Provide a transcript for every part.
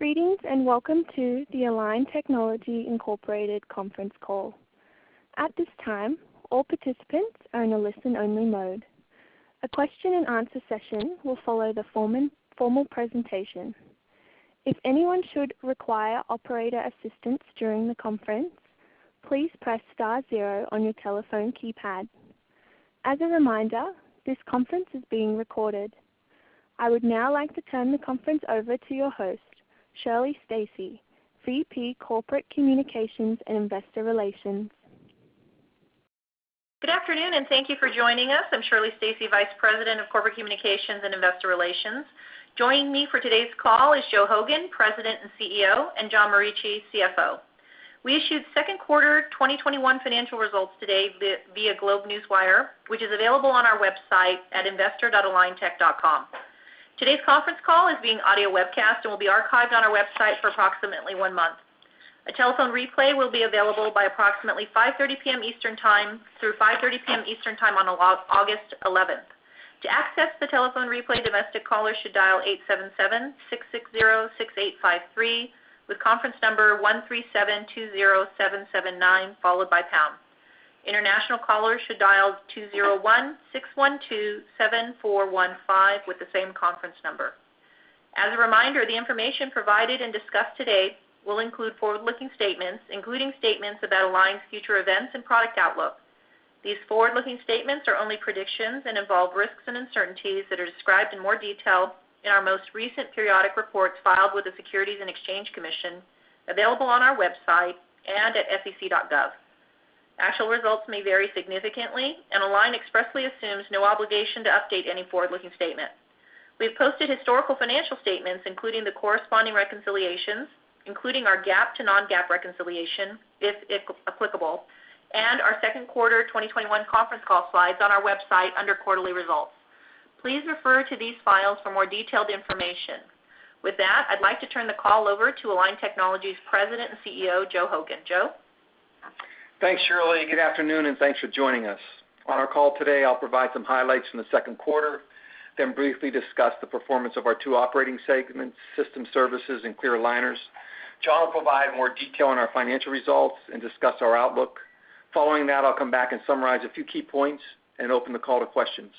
I would now like to turn the conference over to your host, Shirley Stacy, VP Corporate Communications and Investor Relations. Good afternoon, and thank you for joining us. I'm Shirley Stacy, Vice President of Corporate Communications and Investor Relations. Joining me for today's call is Joe Hogan, President and CEO, and John Morici, CFO. We issued second quarter 2021 financial results today via GlobeNewswire, which is available on our website at investor.aligntech.com. Today's conference call is being audio webcast and will be archived on our website for approximately one month. A telephone replay will be available by approximately 5:30 P.M. Eastern Time through 5:30 P.M. Eastern Time on August 11th. To access the telephone replay, domestic callers should dial 877-660-6853 with conference number 137-20779, followed by pound. International callers should dial 201-612-7415 with the same conference number. As a reminder, the information provided and discussed today will include forward-looking statements, including statements about Align's future events and product outlook. These forward-looking statements are only predictions and involve risks and uncertainties that are described in more detail in our most recent periodic reports filed with the Securities and Exchange Commission, available on our website, and at sec.gov. Actual results may vary significantly, and Align expressly assumes no obligation to update any forward-looking statement. We've posted historical financial statements, including the corresponding reconciliations, including our GAAP to non-GAAP reconciliation, if applicable, and our second quarter 2021 conference call slides on our website under quarterly results. Please refer to these files for more detailed information. With that, I'd like to turn the call over to Align Technology's President and CEO, Joe Hogan. Joe? Thanks, Shirley. Good afternoon. Thanks for joining us. On our call today, I'll provide some highlights from the second quarter, then briefly discuss the performance of our two operating segments, System Services, and Clear Aligners. John will provide more detail on our financial results and discuss our outlook. Following that, I'll come back and summarize a few key points and open the call to questions.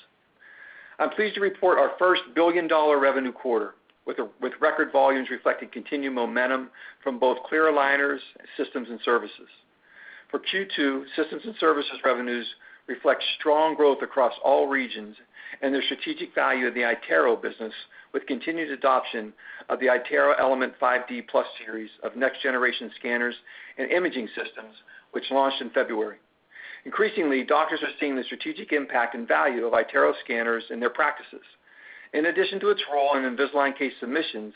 I'm pleased to report our first billion-dollar revenue quarter, with record volumes reflecting continued momentum from both Clear Aligners, Systems and Services. For Q2, Systems and Services revenues reflect strong growth across all regions and the strategic value of the iTero business, with continued adoption of the iTero Element 5D Plus series of next-generation scanners and imaging systems, which launched in February. Increasingly, doctors are seeing the strategic impact and value of iTero scanners in their practices. In addition to its role in Invisalign case submissions,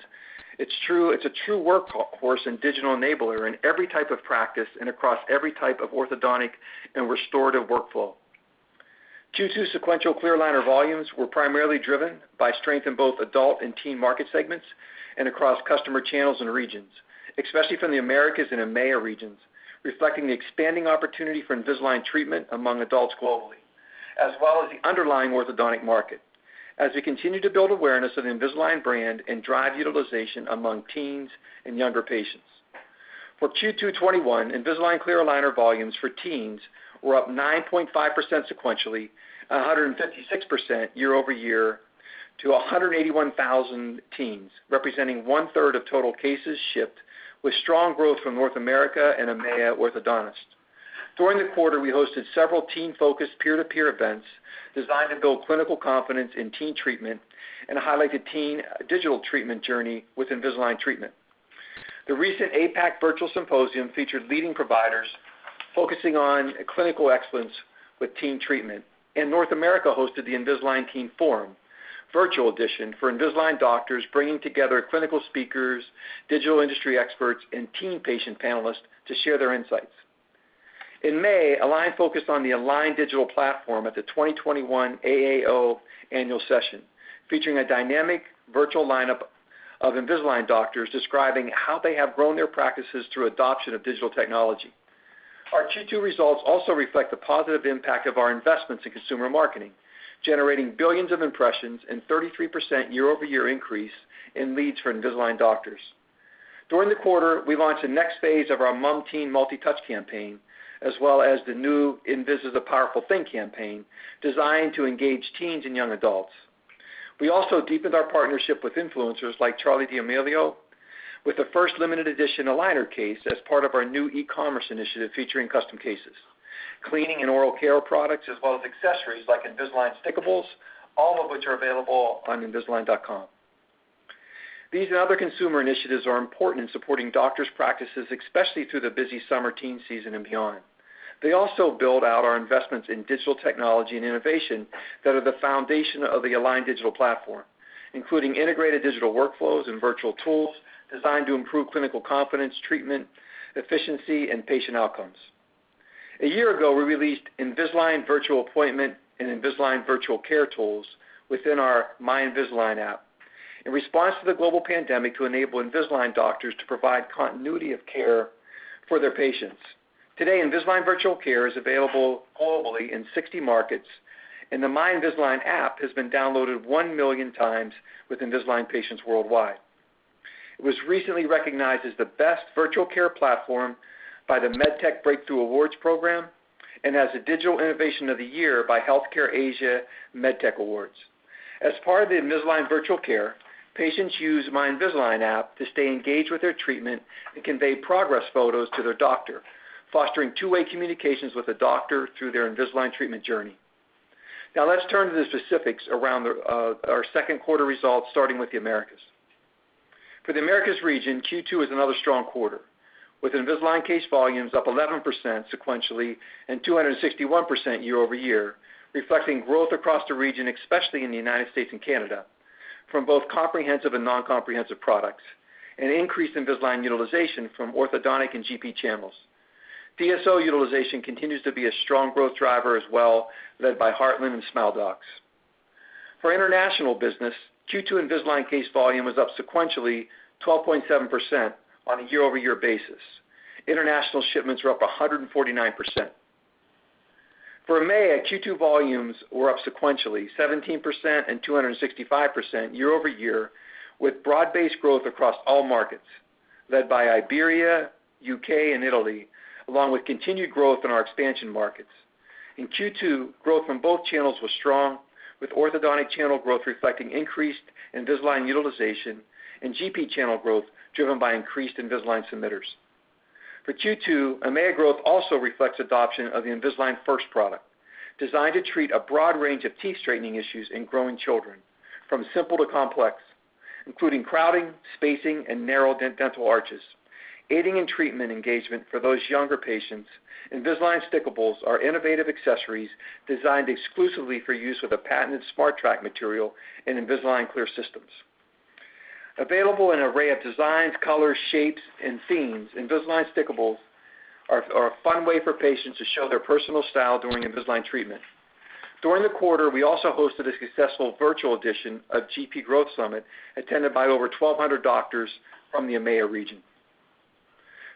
it's a true workhorse and digital enabler in every type of practice and across every type of orthodontic and restorative workflow. Q2 sequential clear aligner volumes were primarily driven by strength in both adult and teen market segments and across customer channels and regions, especially from the Americas and EMEA regions, reflecting the expanding opportunity for Invisalign treatment among adults globally, as well as the underlying orthodontic market, as we continue to build awareness of the Invisalign brand and drive utilization among teens and younger patients. For Q2 2021, Invisalign clear aligner volumes for teens were up 9.5% sequentially and 156% year-over-year to 181,000 teens, representing 1/3 of total cases shipped, with strong growth from North America and EMEA orthodontists. During the quarter, we hosted several teen-focused peer-to-peer events designed to build clinical confidence in teen treatment and highlight the teen digital treatment journey with Invisalign treatment. The recent APAC Virtual Symposium featured leading providers focusing on clinical excellence with teen treatment, and North America hosted the Invisalign Teen Forum Virtual Edition for Invisalign doctors, bringing together clinical speakers, digital industry experts, and teen patient panelists to share their insights. In May, Align focused on the Align Digital Platform at the 2021 AAO Annual Session, featuring a dynamic virtual lineup of Invisalign doctors describing how they have grown their practices through adoption of digital technology. Our Q2 results also reflect the positive impact of our investments in consumer marketing, generating billions of impressions and 33% year-over-year increase in leads for Invisalign doctors. During the quarter, we launched the next phase of our Mom Teen Multi-Touch campaign, as well as the new Invis is a Powerful Thing campaign designed to engage teens and young adults. We also deepened our partnership with influencers like Charli D'Amelio, with the first limited edition aligner case as part of our new e-commerce initiative featuring custom cases, cleaning and oral care products, as well as accessories like Invisalign Stickables, all of which are available on invisalign.com. These and other consumer initiatives are important in supporting doctors' practices, especially through the busy summer teen season and beyond. They also build out our investments in digital technology and innovation that are the foundation of the Align Digital Platform, including integrated digital workflows and virtual tools designed to improve clinical confidence, treatment efficiency, and patient outcomes. A year ago, we released Invisalign Virtual Appointment and Invisalign Virtual Care tools within our My Invisalign app in response to the global pandemic to enable Invisalign doctors to provide continuity of care for their patients. Today, Invisalign Virtual Care is available globally in 60 markets, and the My Invisalign app has been downloaded 1 million times with Invisalign patients worldwide. It was recently recognized as the best virtual care platform by the MedTech Breakthrough Awards program, and as the Digital Innovation of the Year by Healthcare Asia MedTech Awards. As part of the Invisalign Virtual Care, patients use My Invisalign app to stay engaged with their treatment and convey progress photos to their doctor, fostering two-way communications with the doctor through their Invisalign treatment journey. Now let's turn to the specifics around our second quarter results, starting with the Americas. For the Americas region, Q2 is another strong quarter, with Invisalign case volumes up 11% sequentially and 261% year-over-year, reflecting growth across the region, especially in the U.S. and Canada, from both comprehensive and non-comprehensive products, and increased Invisalign utilization from orthodontic and GP channels. DSO utilization continues to be a strong growth driver as well, led by Heartland and SmileDocs. For international business, Q2 Invisalign case volume was up sequentially 12.7% on a year-over-year basis. International shipments were up 149%. For EMEA, Q2 volumes were up sequentially 17% and 265% year-over-year, with broad-based growth across all markets, led by Iberia, U.K., and Italy, along with continued growth in our expansion markets. In Q2, growth from both channels was strong, with orthodontic channel growth reflecting increased Invisalign utilization and GP channel growth driven by increased Invisalign submitters. For Q2, EMEA growth also reflects adoption of the Invisalign First product, designed to treat a broad range of teeth straightening issues in growing children, from simple to complex, including crowding, spacing, and narrow dental arches. Aiding in treatment engagement for those younger patients, Invisalign Stickables are innovative accessories designed exclusively for use with a patented SmartTrack material in Invisalign clear systems. Available in an array of designs, colors, shapes, and themes, Invisalign Stickables are a fun way for patients to show their personal style during Invisalign treatment. During the quarter, we also hosted a successful virtual edition of GP Growth Summit, attended by over 1,200 doctors from the EMEA region.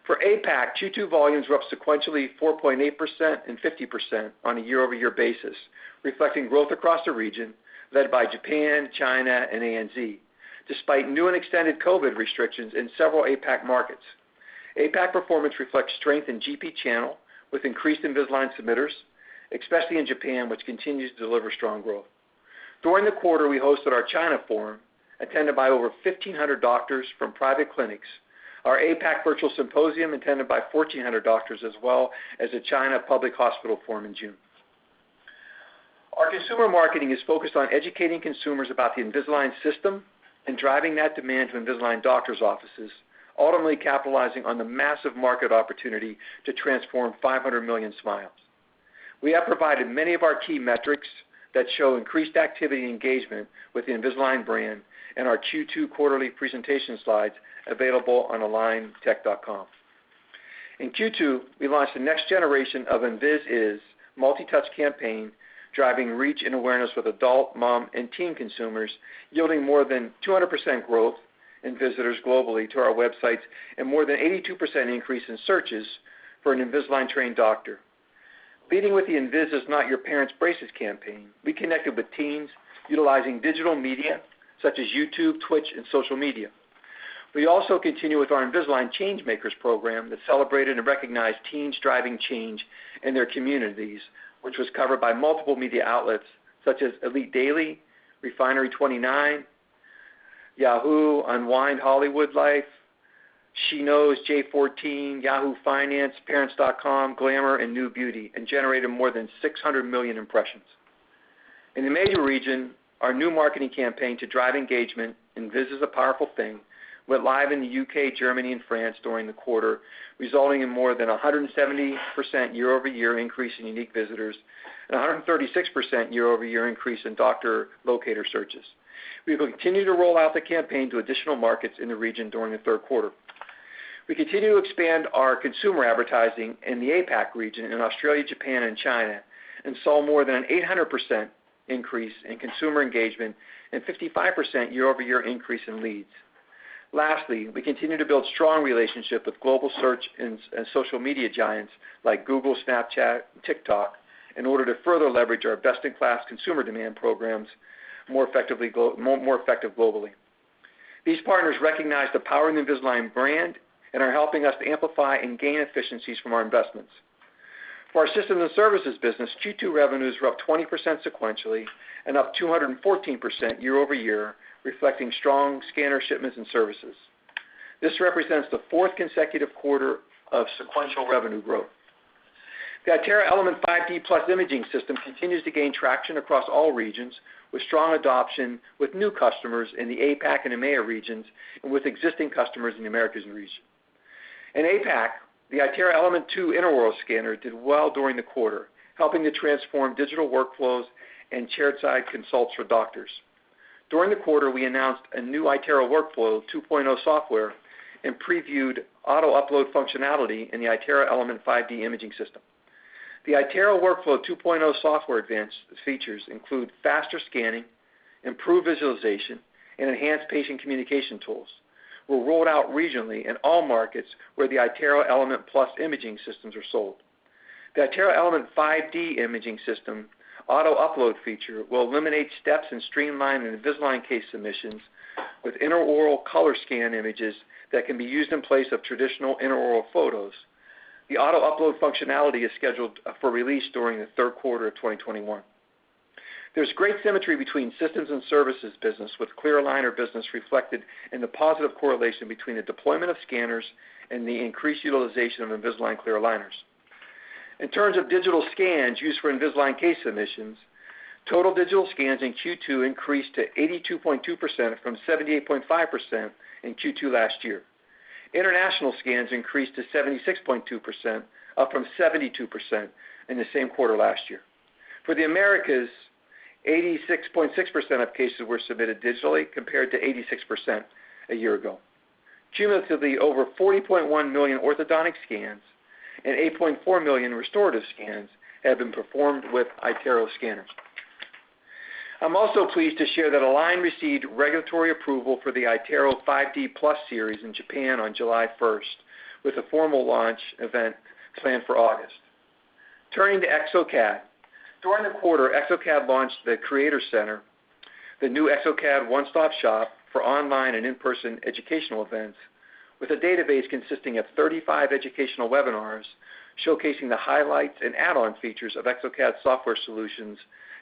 For APAC, Q2 volumes were up sequentially 4.8% and 50% on a year-over-year basis, reflecting growth across the region led by Japan, China, and ANZ, despite new and extended COVID restrictions in several APAC markets. APAC performance reflects strength in GP channel with increased Invisalign submitters, especially in Japan, which continues to deliver strong growth. During the quarter, we hosted our China forum, attended by over 1,500 doctors from private clinics, our APAC Virtual Symposium, attended by 1,400 doctors, as well as the China Public Hospital Forum in June. Our consumer marketing is focused on educating consumers about the Invisalign system and driving that demand to Invisalign doctor's offices, ultimately capitalizing on the massive market opportunity to transform 500 million smiles. We have provided many of our key metrics that show increased activity engagement with the Invisalign brand in our Q2 quarterly presentation slides available on aligntech.com. In Q2, we launched the next generation of Invisalign's multi-touch campaign, driving reach and awareness with adult, mom, and teen consumers, yielding more than 200% growth in visitors globally to our websites and more than 82% increase in searches for an Invisalign-trained doctor. Leading with the Invisalign's Not Your Parents' Braces campaign, we connected with teens utilizing digital media such as YouTube, Twitch, and social media. We also continue with our Invisalign ChangeMakers program that celebrated and recognized teens driving change in their communities, which was covered by multiple media outlets such as Elite Daily, Refinery29, Yahoo, Uproxx, Hollywood Life, SheKnows, J-14, Yahoo Finance, Parents.com, Glamour, and NewBeauty, and generated more than 600 million impressions. In the EMEA region, our new marketing campaign to drive engagement, Invisalign: A Powerful Thing, went live in the U.K., Germany, and France during the quarter, resulting in more than 170% year-over-year increase in unique visitors and 136% year-over-year increase in doctor locator searches. We will continue to roll out the campaign to additional markets in the region during the third quarter. We continue to expand our consumer advertising in the APAC region in Australia, Japan, and China and saw more than an 800% increase in consumer engagement and 55% year-over-year increase in leads. We continue to build strong relationships with global search and social media giants like Google, Snapchat, TikTok, in order to further leverage our best-in-class consumer demand programs more effective globally. These partners recognize the power of the Invisalign brand and are helping us amplify and gain efficiencies from our investments. For our systems and services business, Q2 revenues were up 20% sequentially and up 214% year-over-year, reflecting strong scanner shipments and services. This represents the fourth consecutive quarter of sequential revenue growth. The iTero Element 5D Plus imaging system continues to gain traction across all regions, with strong adoption with new customers in the APAC and EMEA regions and with existing customers in the Americas region. In APAC, the iTero Element 2 intraoral scanner did well during the quarter, helping to transform digital workflows and chairside consults for doctors. During the quarter, we announced a new iTero Workflow 2.0 software, and previewed auto-upload functionality in the iTero Element 5D imaging system. The iTero Workflow 2.0 software advanced features include faster scanning, improved visualization, and enhanced patient communication tools. Were rolled out regionally in all markets where the iTero Element Plus imaging systems are sold. The iTero Element 5D imaging system auto-upload feature will eliminate steps and streamline Invisalign case submissions with intraoral color scan images that can be used in place of traditional intraoral photos. The auto-upload functionality is scheduled for release during the third quarter of 2021. There is great symmetry between systems and services business, with clear aligner business reflected in the positive correlation between the deployment of scanners and the increased utilization of Invisalign clear aligners. In terms of digital scans used for Invisalign case submissions, total digital scans in Q2 increased to 82.2% from 78.5% in Q2 last year. International scans increased to 76.2%, up from 72% in the same quarter last year. For the Americas, 86.6% of cases were submitted digitally, compared to 86% a year ago. Cumulatively, over 40.1 million orthodontic scans and 8.4 million restorative scans have been performed with iTero scanners. I'm also pleased to share that Align received regulatory approval for the iTero 5D Plus series in Japan on July 1st, with a formal launch event planned for August. Turning to exocad. During the quarter, exocad launched the Creator Center, the new exocad one-stop shop for online and in-person educational events, with a database consisting of 35 educational webinars showcasing the highlights and add-on features of exocad software solutions,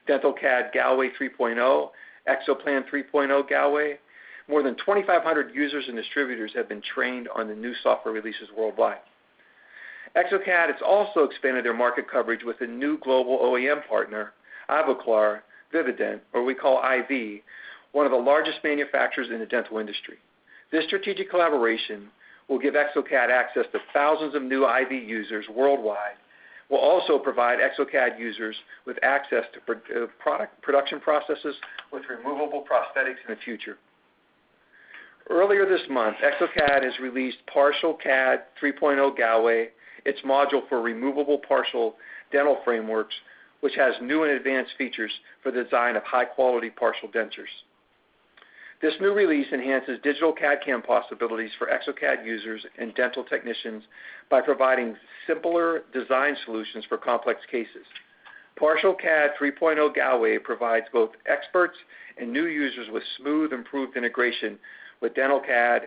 DentalCAD 3.0 Galway, exoplan 3.0 Galway. More than 2,500 users and distributors have been trained on the new software releases worldwide. exocad has also expanded their market coverage with a new global OEM partner, Ivoclar Vivadent, or we call IV, one of the largest manufacturers in the dental industry. This strategic collaboration will give exocad access to thousands of new IV users worldwide, will also provide exocad users with access to production processes with removable prosthetics in the future. Earlier this month, exocad has released PartialCAD 3.0 Galway, its module for removable partial dental frameworks, which has new and advanced features for the design of high-quality partial dentures. This new release enhances digital CAD/CAM possibilities for exocad users and dental technicians by providing simpler design solutions for complex cases. PartialCAD 3.0 Galway provides both experts and new users with smooth, improved integration with DentalCAD,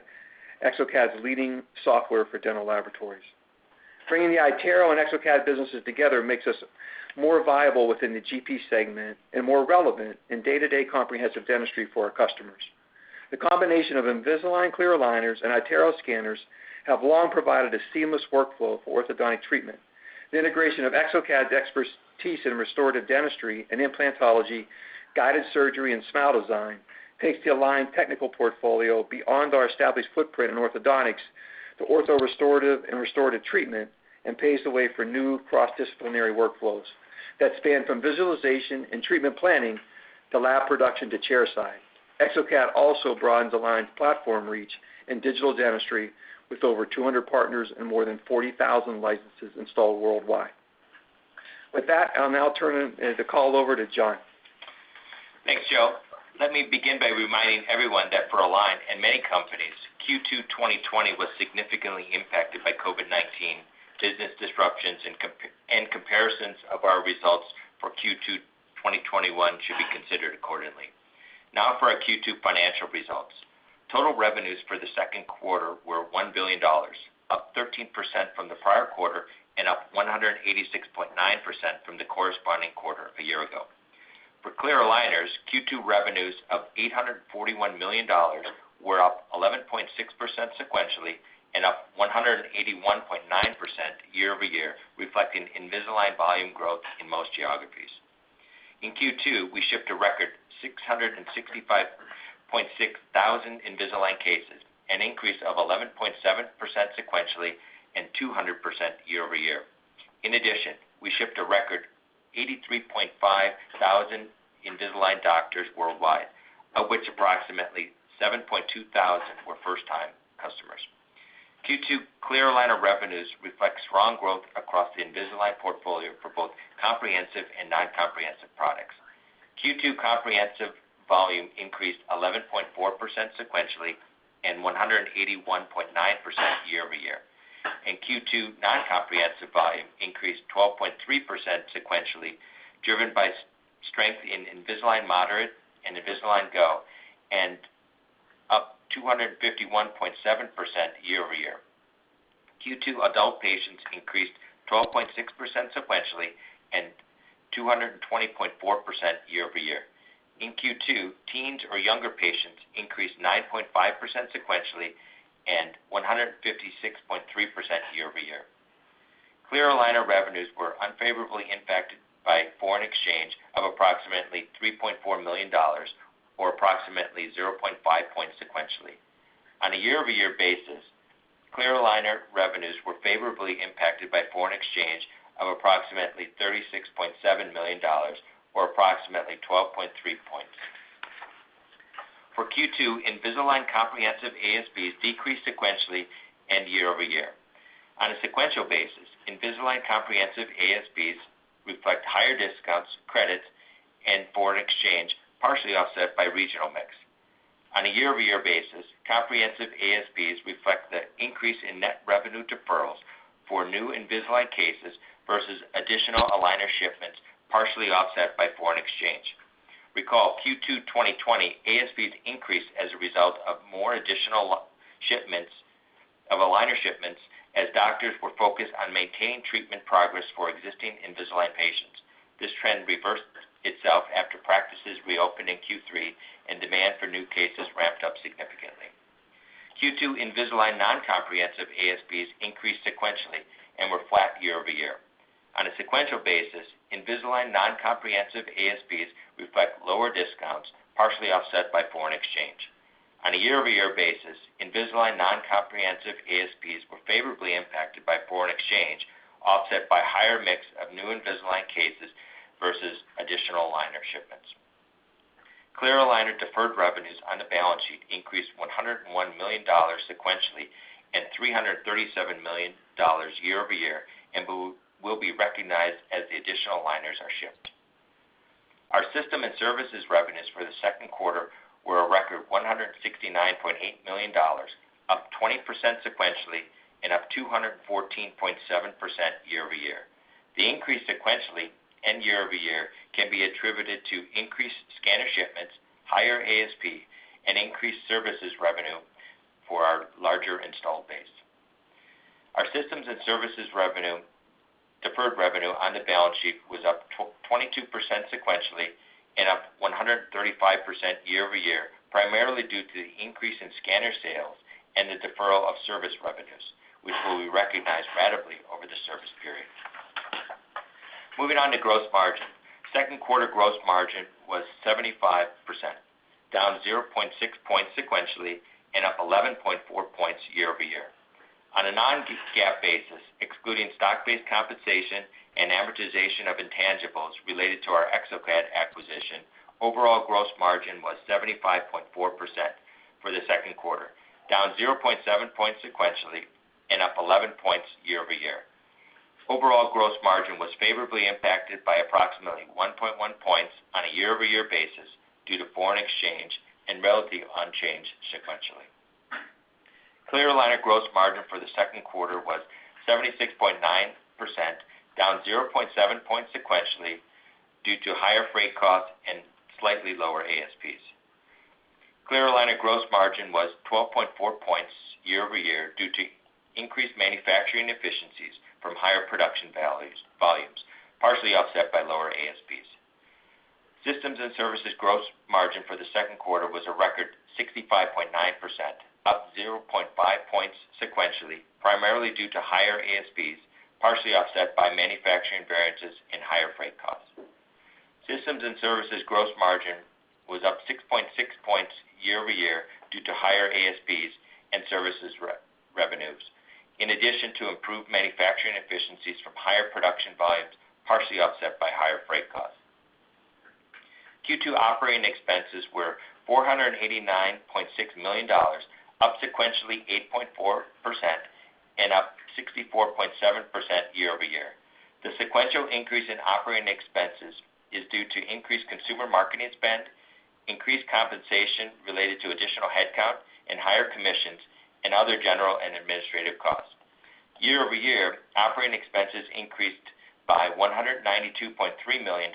exocad's leading software for dental laboratories. Bringing the iTero and exocad businesses together makes us more viable within the GP segment and more relevant in day-to-day comprehensive dentistry for our customers. The combination of Invisalign clear aligners and iTero scanners have long provided a seamless workflow for orthodontic treatment. The integration of exocad's expertise in restorative dentistry and implantology, guided surgery, and smile design takes the Align technical portfolio beyond our established footprint in orthodontics to ortho restorative and restorative treatment and paves the way for new cross-disciplinary workflows that span from visualization and treatment planning to lab production to chairside. exocad also broadens Align's platform reach in digital dentistry with over 200 partners and more than 40,000 licenses installed worldwide. With that, I'll now turn the call over to John. Thanks, Joe. Let me begin by reminding everyone that for Align and many companies, Q2 2020 was significantly impacted by COVID-19 business disruptions, and comparisons of our results for Q2 2021 should be considered accordingly. Now for our Q2 financial results. Total revenues for the second quarter were $1 billion, up 13% from the prior quarter and up 186.9% from the corresponding quarter a year ago. For clear aligners, Q2 revenues of $841 million were up 11.6% sequentially and up 181.9% year-over-year, reflecting Invisalign volume growth in most geographies. In Q2, we shipped a record 665.6 thousand Invisalign cases, an increase of 11.7% sequentially and 200% year-over-year. In addition, we shipped a record 83.5 thousand Invisalign doctors worldwide, of which approximately 7.,200 were first-time customers. Q2 clear aligner revenues reflect strong growth across the Invisalign portfolio for both comprehensive and non-comprehensive products. Q2 comprehensive volume increased 11.4% sequentially and 181.9% year-over-year. Q2 non-comprehensive volume increased 12.3% sequentially, driven by strength in Invisalign Moderate and Invisalign Go, and up 251.7% year-over-year. Q2 adult patients increased 12.6% sequentially and 220.4% year-over-year. In Q2, teens or younger patients increased 9.5% sequentially and 156.3% year-over-year. Clear aligner revenues were unfavorably impacted by foreign exchange of approximately $3.4 million, or approximately 0.5 points sequentially. On a year-over-year basis, clear aligner revenues were favorably impacted by foreign exchange of approximately $36.7 million, or approximately 12.3 points. For Q2, Invisalign comprehensive ASPs decreased sequentially and year-over-year. On a sequential basis, Invisalign comprehensive ASPs reflect higher discounts, credits, and foreign exchange, partially offset by regional mix. On a year-over-year basis, comprehensive ASPs reflect the increase in net revenue deferrals for new Invisalign cases versus additional aligner shipments, partially offset by foreign exchange. Recall Q2 2020, ASPs increased as a result of more additional aligner shipments as doctors were focused on maintaining treatment progress for existing Invisalign patients. This trend reversed itself after practices reopened in Q3 and demand for new cases ramped up significantly. Q2 Invisalign non-comprehensive ASPs increased sequentially and were flat year-over-year. On a sequential basis, Invisalign non-comprehensive ASPs reflect lower discounts, partially offset by foreign exchange. On a year-over-year basis, Invisalign non-comprehensive ASPs were favorably impacted by foreign exchange, offset by higher mix of new Invisalign cases versus additional aligner shipments. Clear aligner deferred revenues on the balance sheet increased $101 million sequentially and $337 million year-over-year and will be recognized as the additional aligners are shipped. Our systems and services revenues for the second quarter were a record $169.8 million, up 20% sequentially and up 214.7% year-over-year. The increase sequentially and year-over-year can be attributed to increased scanner shipments, higher ASP, and increased services revenue for our larger installed base. Our systems and services deferred revenue on the balance sheet was up 22% sequentially and up 135% year-over-year, primarily due to the increase in scanner sales and the deferral of service revenues, which will be recognized ratably over the service period. Moving on to gross margin. Second quarter gross margin was 75%, down 0.6 points sequentially and up 11.4 points year-over-year. On a non-GAAP basis, excluding stock-based compensation and amortization of intangibles related to our exocad acquisition, overall gross margin was 75.4% for the second quarter, down 0.7 points sequentially and up 11 points year-over-year. Overall gross margin was favorably impacted by approximately 1.1 points on a year-over-year basis due to foreign exchange and relatively unchanged sequentially. Clear aligner gross margin for the second quarter was 76.9%, down 0.7 points sequentially due to higher freight costs and slightly lower ASPs. Clear aligner gross margin was 12.4 points year-over-year due to increased manufacturing efficiencies from higher production volumes, partially offset by lower ASPs. Systems and services gross margin for the second quarter was a record 65.9%, up 0.5 points sequentially, primarily due to higher ASPs, partially offset by manufacturing variances and higher freight costs. Systems and services gross margin was up 6.6 points year-over-year due to higher ASPs and services revenues, in addition to improved manufacturing efficiencies from higher production volumes, partially offset by higher freight costs. Q2 operating expenses were $489.6 million, up sequentially 8.4% and up 64.7% year-over-year. The sequential increase in operating expenses is due to increased consumer marketing spend, increased compensation related to additional headcount and higher commissions, and other general and administrative costs. Year-over-year, operating expenses increased by $192.3 million,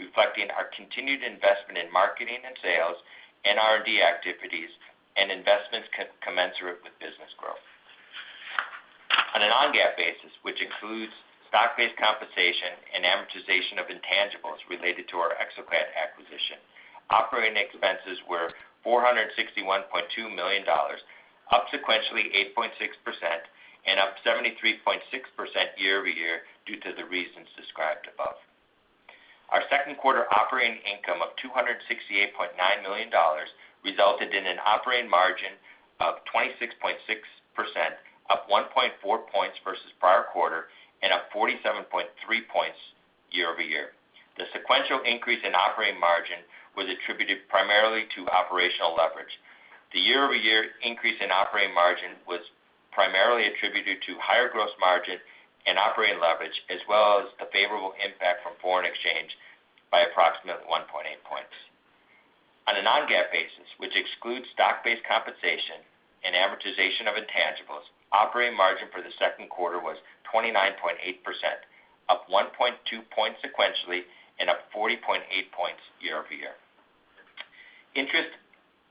reflecting our continued investment in marketing and sales, R&D activities, and investments commensurate with business growth. On a non-GAAP basis, which includes stock-based compensation and amortization of intangibles related to our exocad acquisition, operating expenses were $461.2 million, up sequentially 8.6% and up 73.6% year-over-year due to the reasons described above. Our second quarter operating income of $268.9 million resulted in an operating margin of 26.6%, up 1.4 points versus prior quarter and up 47.3 points year-over-year. The sequential increase in operating margin was attributed primarily to operational leverage. The year-over-year increase in operating margin was primarily attributed to higher gross margin and operating leverage, as well as the favorable impact from foreign exchange by approximately 1.8 points. On a non-GAAP basis, which excludes stock-based compensation and amortization of intangibles, operating margin for the second quarter was 29.8%, up 1.2 points sequentially and up 40.8 points year-over-year. Interest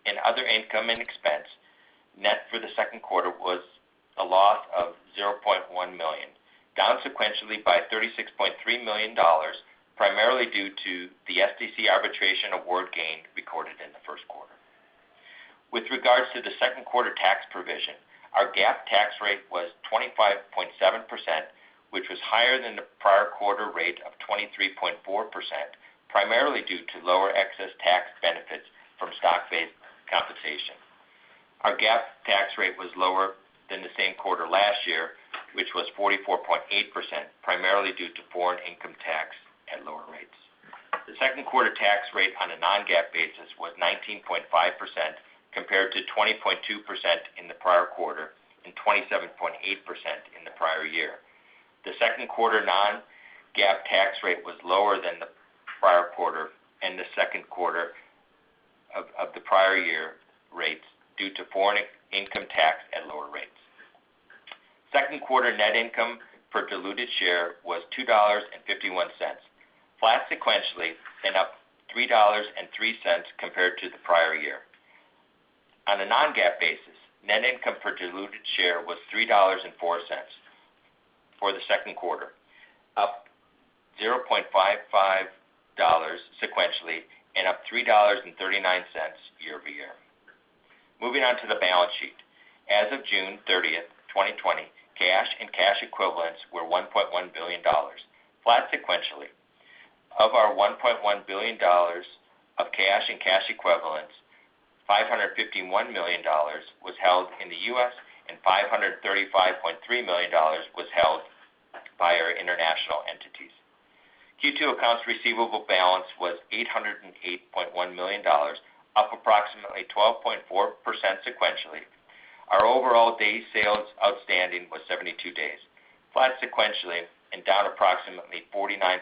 and other income and expense net for the second quarter was a loss of $0.1 million, down sequentially by $36.3 million, primarily due to the SDC arbitration award gain recorded in the first quarter. With regards to the second quarter tax provision, our GAAP tax rate was 25.7%, which was higher than the prior quarter rate of 23.4%, primarily due to lower excess tax benefits from stock-based compensation. Our GAAP tax rate was lower than the same quarter last year, which was 44.8%, primarily due to foreign income tax at lower rates. The second quarter tax rate on a non-GAAP basis was 19.5%, compared to 20.2% in the prior quarter and 27.8% in the prior year. The second quarter non-GAAP tax rate was lower than the prior quarter and the second quarter of the prior year rates due to foreign income tax at lower rates. Second quarter net income per diluted share was $2.51, flat sequentially and up $3.03 compared to the prior year. On a non-GAAP basis, net income per diluted share was $3.04 for the second quarter, up $0.55 sequentially and up $3.39 year-over-year. Moving on to the balance sheet. As of June 30th, 2020, cash and cash equivalents were $1.1 billion, flat sequentially. Of our $1.1 billion of cash and cash equivalents, $551 million was held in the U.S., and $535.3 million was held by our international entities. Q2 accounts receivable balance was $808.1 million, up approximately 12.4% sequentially. Our overall day sales outstanding was 72 days, flat sequentially and down approximately 49.1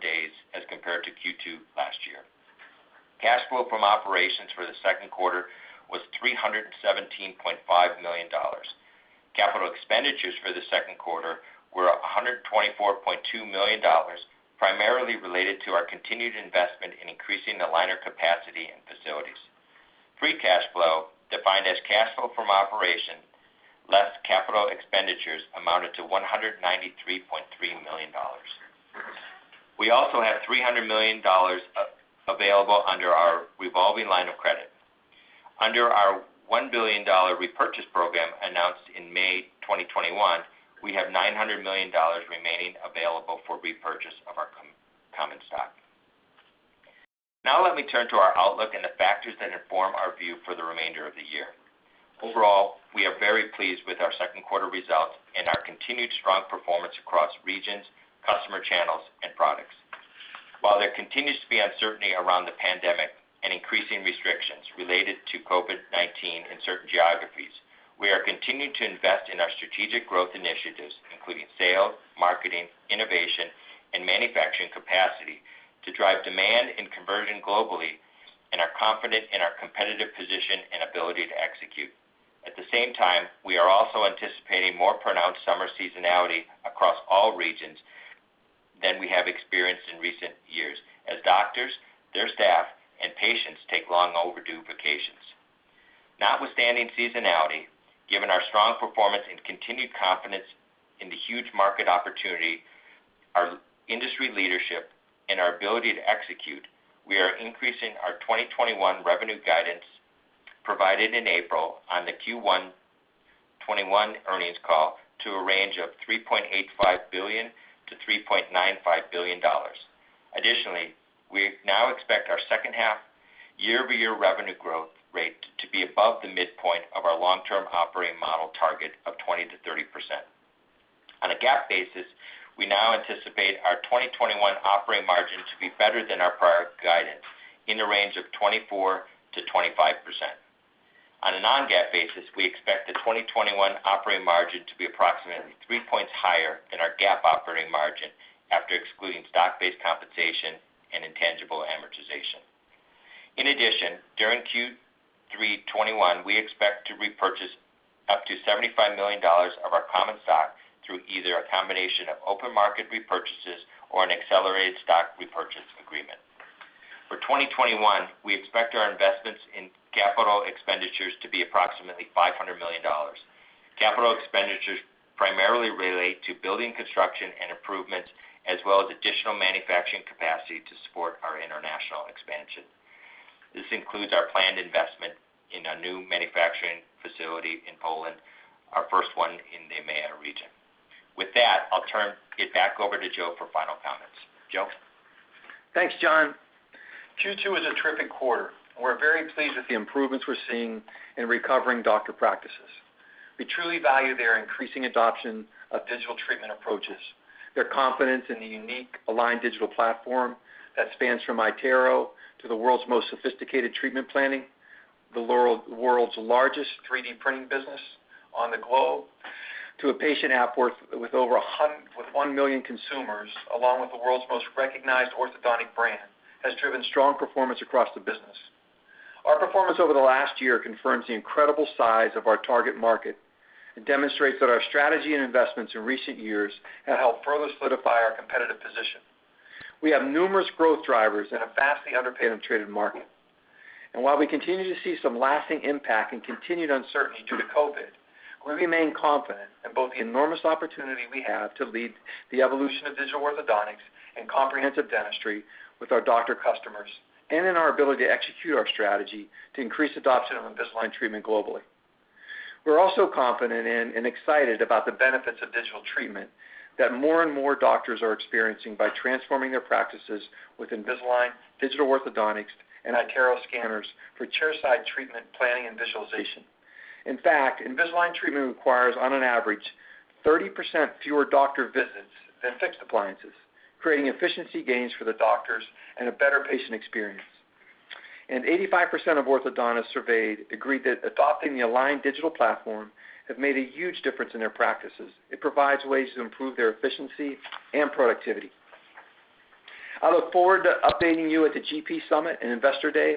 days as compared to Q2 last year. Cash flow from operations for the second quarter was $317.5 million. Capital expenditures for the second quarter were $124.2 million, primarily related to our continued investment in increasing aligner capacity and facilities. Free cash flow, defined as cash flow from operations, less capital expenditures amounted to $193.3 million. We also have $300 million available under our revolving line of credit. Under our $1 billion repurchase program announced in May 2021, we have $900 million remaining available for repurchase of our common stock. Let me turn to our outlook and the factors that inform our view for the remainder of the year. Overall, we are very pleased with our second quarter results and our continued strong performance across regions, customer channels, and products. While there continues to be uncertainty around the pandemic and increasing restrictions related to COVID-19 in certain geographies, we are continuing to invest in our strategic growth initiatives, including sales, marketing, innovation, and manufacturing capacity to drive demand and conversion globally, and are confident in our competitive position and ability to execute. At the same time, we are also anticipating more pronounced summer seasonality across all regions than we have experienced in recent years as doctors, their staff, and patients take long overdue vacations. Notwithstanding seasonality, given our strong performance and continued confidence in the huge market opportunity, our industry leadership, and our ability to execute, we are increasing our 2021 revenue guidance provided in April on the Q1 '21 earnings call to a range of $3.85 billion-$3.95 billion. Additionally, we now expect our second half year-over-year revenue growth rate to be above the midpoint of our long-term operating model target of 20%-30%. On a GAAP basis, we now anticipate our 2021 operating margin to be better than our prior guidance, in the range of 24%-25%. On a non-GAAP basis, we expect the 2021 operating margin to be approximately 3 points higher than our GAAP operating margin after excluding stock-based compensation and intangible amortization. In addition, during Q3 '21, we expect to repurchase up to $75 million of our common stock through either a combination of open market repurchases or an accelerated stock repurchase agreement. For 2021, we expect our investments in capital expenditures to be approximately $500 million. Capital expenditures primarily relate to building construction and improvements, as well as additional manufacturing capacity to support our international expansion. This includes our planned investment in a new manufacturing facility in Poland, our first one in the EMEA region. With that, I'll turn it back over to Joe for final comments. Joe? Thanks, John. Q2 is a terrific quarter, and we're very pleased with the improvements we're seeing in recovering doctor practices. We truly value their increasing adoption of digital treatment approaches. Their confidence in the unique Align Digital Platform that spans from iTero to the world's most sophisticated treatment planning, the world's largest 3D printing business on the globe, to a patient app with 1 million consumers, along with the world's most recognized orthodontic brand, has driven strong performance across the business. Our performance over the last year confirms the incredible size of our target market and demonstrates that our strategy and investments in recent years have helped further solidify our competitive position. We have numerous growth drivers in a vastly underpenetrated market. While we continue to see some lasting impact and continued uncertainty due to COVID, we remain confident in both the enormous opportunity we have to lead the evolution of digital orthodontics and comprehensive dentistry with our doctor customers and in our ability to execute our strategy to increase adoption of Invisalign treatment globally. We're also confident in and excited about the benefits of digital treatment that more and more doctors are experiencing by transforming their practices with Invisalign, digital orthodontics, and iTero scanners for chairside treatment planning and visualization. In fact, Invisalign treatment requires, on an average, 30% fewer doctor visits than fixed appliances, creating efficiency gains for the doctors and a better patient experience. 85% of orthodontists surveyed agreed that adopting the Align Digital Platform have made a huge difference in their practices. It provides ways to improve their efficiency and productivity. I look forward to updating you at the GP Summit and Investor Day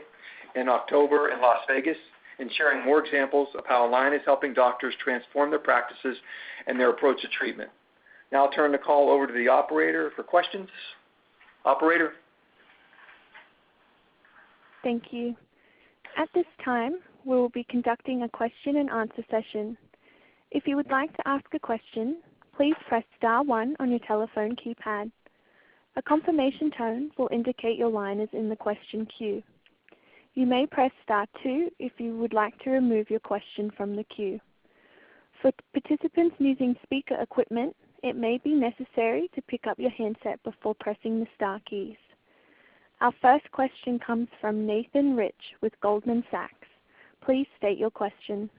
in October in Las Vegas and sharing more examples of how Align is helping doctors transform their practices and their approach to treatment. I'll turn the call over to the operator for questions. Operator? Thank you. At this time, we will be conducting a question and answer session. If you would like to ask a question, please press star one on your telephone keypad. A confirmation tone will indicate your line is in the question queue. You may press star two if you would like to remove your question from the queue. For participants using speaker equipment, it may be necessary to pick up your handset before pressing the star keys. Our first question comes from Nathan Rich with Goldman Sachs. Please state your question.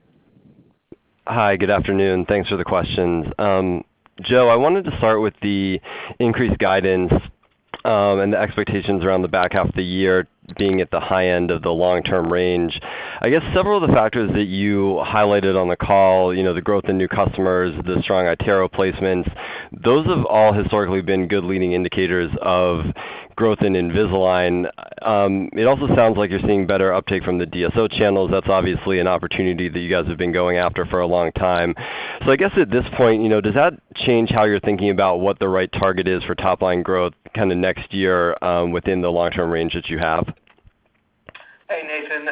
Hi. Good afternoon. Thanks for the questions. Joe, I wanted to start with the increased guidance and the expectations around the back half of the year being at the high end of the long-term range. I guess several of the factors that you highlighted on the call, the growth in new customers, the strong iTero placements, those have all historically been good leading indicators of growth in Invisalign. It also sounds like you're seeing better uptake from the DSO channels. That's obviously an opportunity that you guys have been going after for a long time. I guess at this point, does that change how you're thinking about what the right target is for top-line growth kind of next year within the long-term range that you have? Hey, Nathan.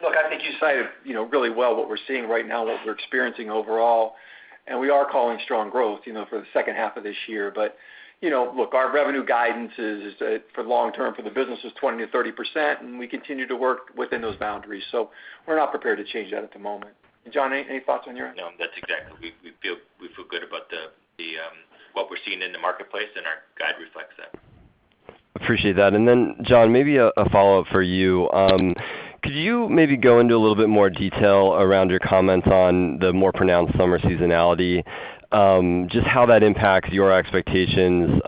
Look, I think you cited really well what we're seeing right now, what we're experiencing overall. We are calling strong growth for the second half of this year. Look, our revenue guidance for the long term for the business is 20%-30%. We continue to work within those boundaries. We're not prepared to change that at the moment. John, any thoughts on your end? No, that's exactly. We feel good about what we're seeing in the marketplace, and our guide reflects that. Appreciate that. John, maybe a follow-up for you. Could you maybe go into a little bit more detail around your comments on the more pronounced summer seasonality, just how that impacts your expectations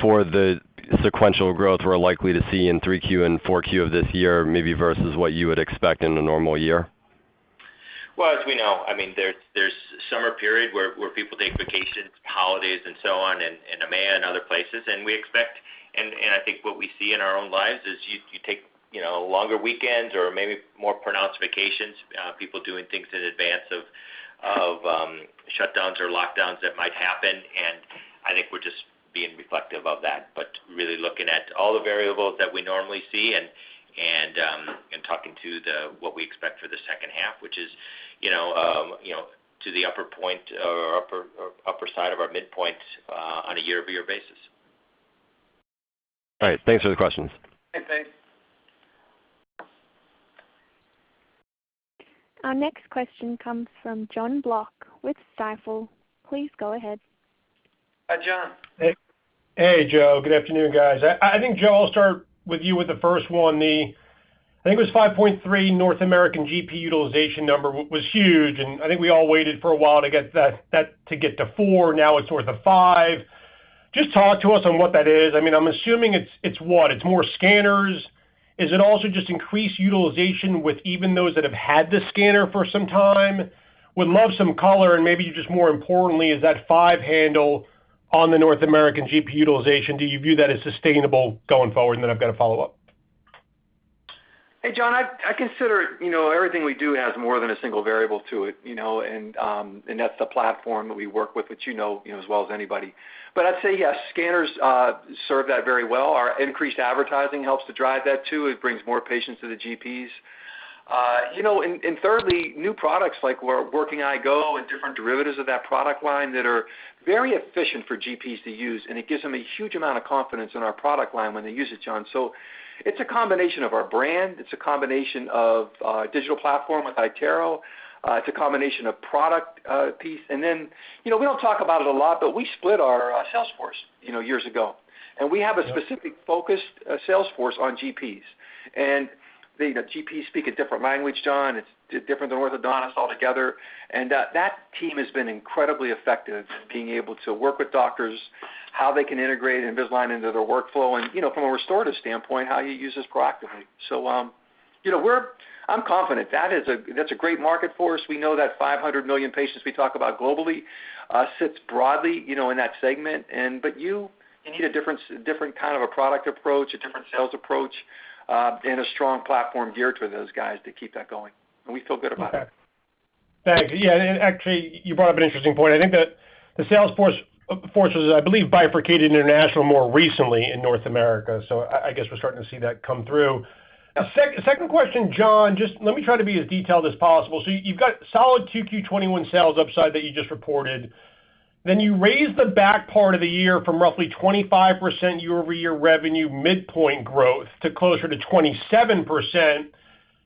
for the sequential growth we're likely to see in 3Q and 4Q of this year, maybe versus what you would expect in a normal year? As we know, I mean, there's summer period where people take vacations, holidays, and so on in EMEA and other places. I think what we see in our own lives is you take longer weekends or maybe more pronounced vacations, people doing things in advance of shutdowns or lockdowns that might happen, and I think we're just being reflective of that. Really looking at all the variables that we normally see and talking to what we expect for the second half, which is to the upper point or upper side of our midpoint on a year-over-year basis. All right. Thanks for the questions. Thanks, Nathan. Our next question comes from Jon Block with Stifel. Please go ahead. Hi, John. Hey, Joe. Good afternoon, guys. I think, Joe, I'll start with you with the first one. I think it was 5.3 North American GP utilization number was huge. I think we all waited for a while to get to 4, now it's towards the 5. Just talk to us on what that is. I'm assuming it's what? It's more scanners. Is it also just increased utilization with even those that have had the scanner for some time? Would love some color. Maybe just more importantly is that 5 handle on the North American GP utilization, do you view that as sustainable going forward? I've got a follow-up. Hey, John, I consider everything we do has more than a single variable to it, and that's the platform that we work with, which you know as well as anybody. I'd say yes, scanners serve that very well. Our increased advertising helps to drive that too. It brings more patients to the GPs. Thirdly, new products like working iGo and different derivatives of that product line that are very efficient for GPs to use, and it gives them a huge amount of confidence in our product line when they use it, John. It's a combination of our brand. It's a combination of a digital platform with iTero. It's a combination of product piece. Then, we don't talk about it a lot, but we split our sales force years ago. We have a specific focused sales force on GPs. The GPs speak a different language, John. It's different than orthodontists altogether. That team has been incredibly effective at being able to work with doctors, how they can integrate Invisalign into their workflow, and from a restorative standpoint, how you use this proactively. I'm confident. That's a great market for us. We know that 500 million patients we talk about globally sits broadly in that segment. You need a different kind of a product approach, a different sales approach, and a strong platform geared to those guys to keep that going. We feel good about it. Okay. Thanks. Actually, you brought up an interesting point. I think that the sales force was, I believe, bifurcated international more recently in North America. I guess we're starting to see that come through. Second question, John, just let me try to be as detailed as possible. You've got solid Q2 '21 sales upside that you just reported. You raise the back part of the year from roughly 25% year-over-year revenue midpoint growth to closer to 27%,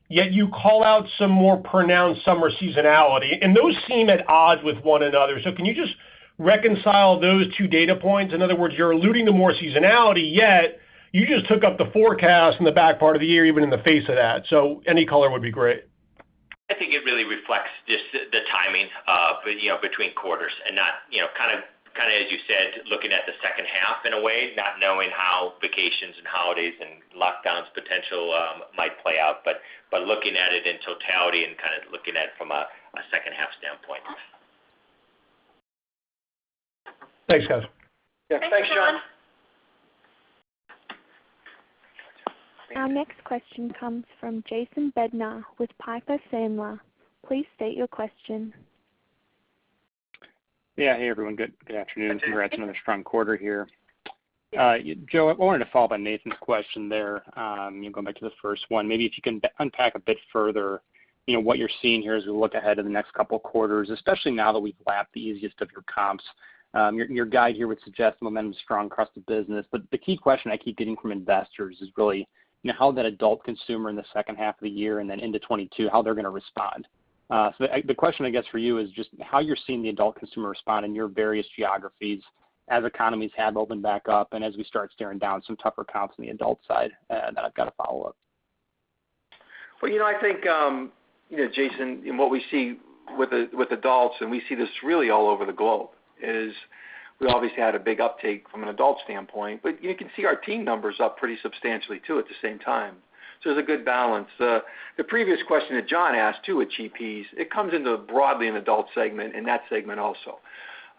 yet you call out some more pronounced summer seasonality, and those seem at odds with one another. Can you just reconcile those two data points? In other words, you're alluding to more seasonality, yet you just took up the forecast in the back part of the year, even in the face of that. Any color would be great. I think it really reflects just the timing between quarters and not, kind of as you said, looking at the second half in a way, not knowing how vacations and holidays and lockdowns potential might play out. Looking at it in totality and kind of looking at it from a second-half standpoint. Thanks, guys. Yeah. Thanks, John. Thanks, John. Our next question comes from Jason Bednar with Piper Sandler. Please state your question. Yeah. Hey, everyone. Good afternoon. Congrats on another strong quarter here. Joe, I wanted to follow up on Nathan's question there. Going back to the first one, maybe if you can unpack a bit further, what you're seeing here as we look ahead in the next couple quarters, especially now that we've lapped the easiest of your comps. Your guide here would suggest momentum's strong across the business. The key question I keep getting from investors is really, how that adult consumer in the second half of the year and then into 2022, how they're going to respond. The question, I guess, for you is just how you're seeing the adult consumer respond in your various geographies as economies have opened back up and as we start staring down some tougher comps on the adult side. Then I've got a follow-up. Well, I think, Jason, what we see with adults, and we see this really all over the globe, is we obviously had a big uptake from an adult standpoint, but you can see our teen number's up pretty substantially, too, at the same time. There's a good balance. The previous question that John asked, too, with GPs, it comes into broadly an adult segment and that segment also.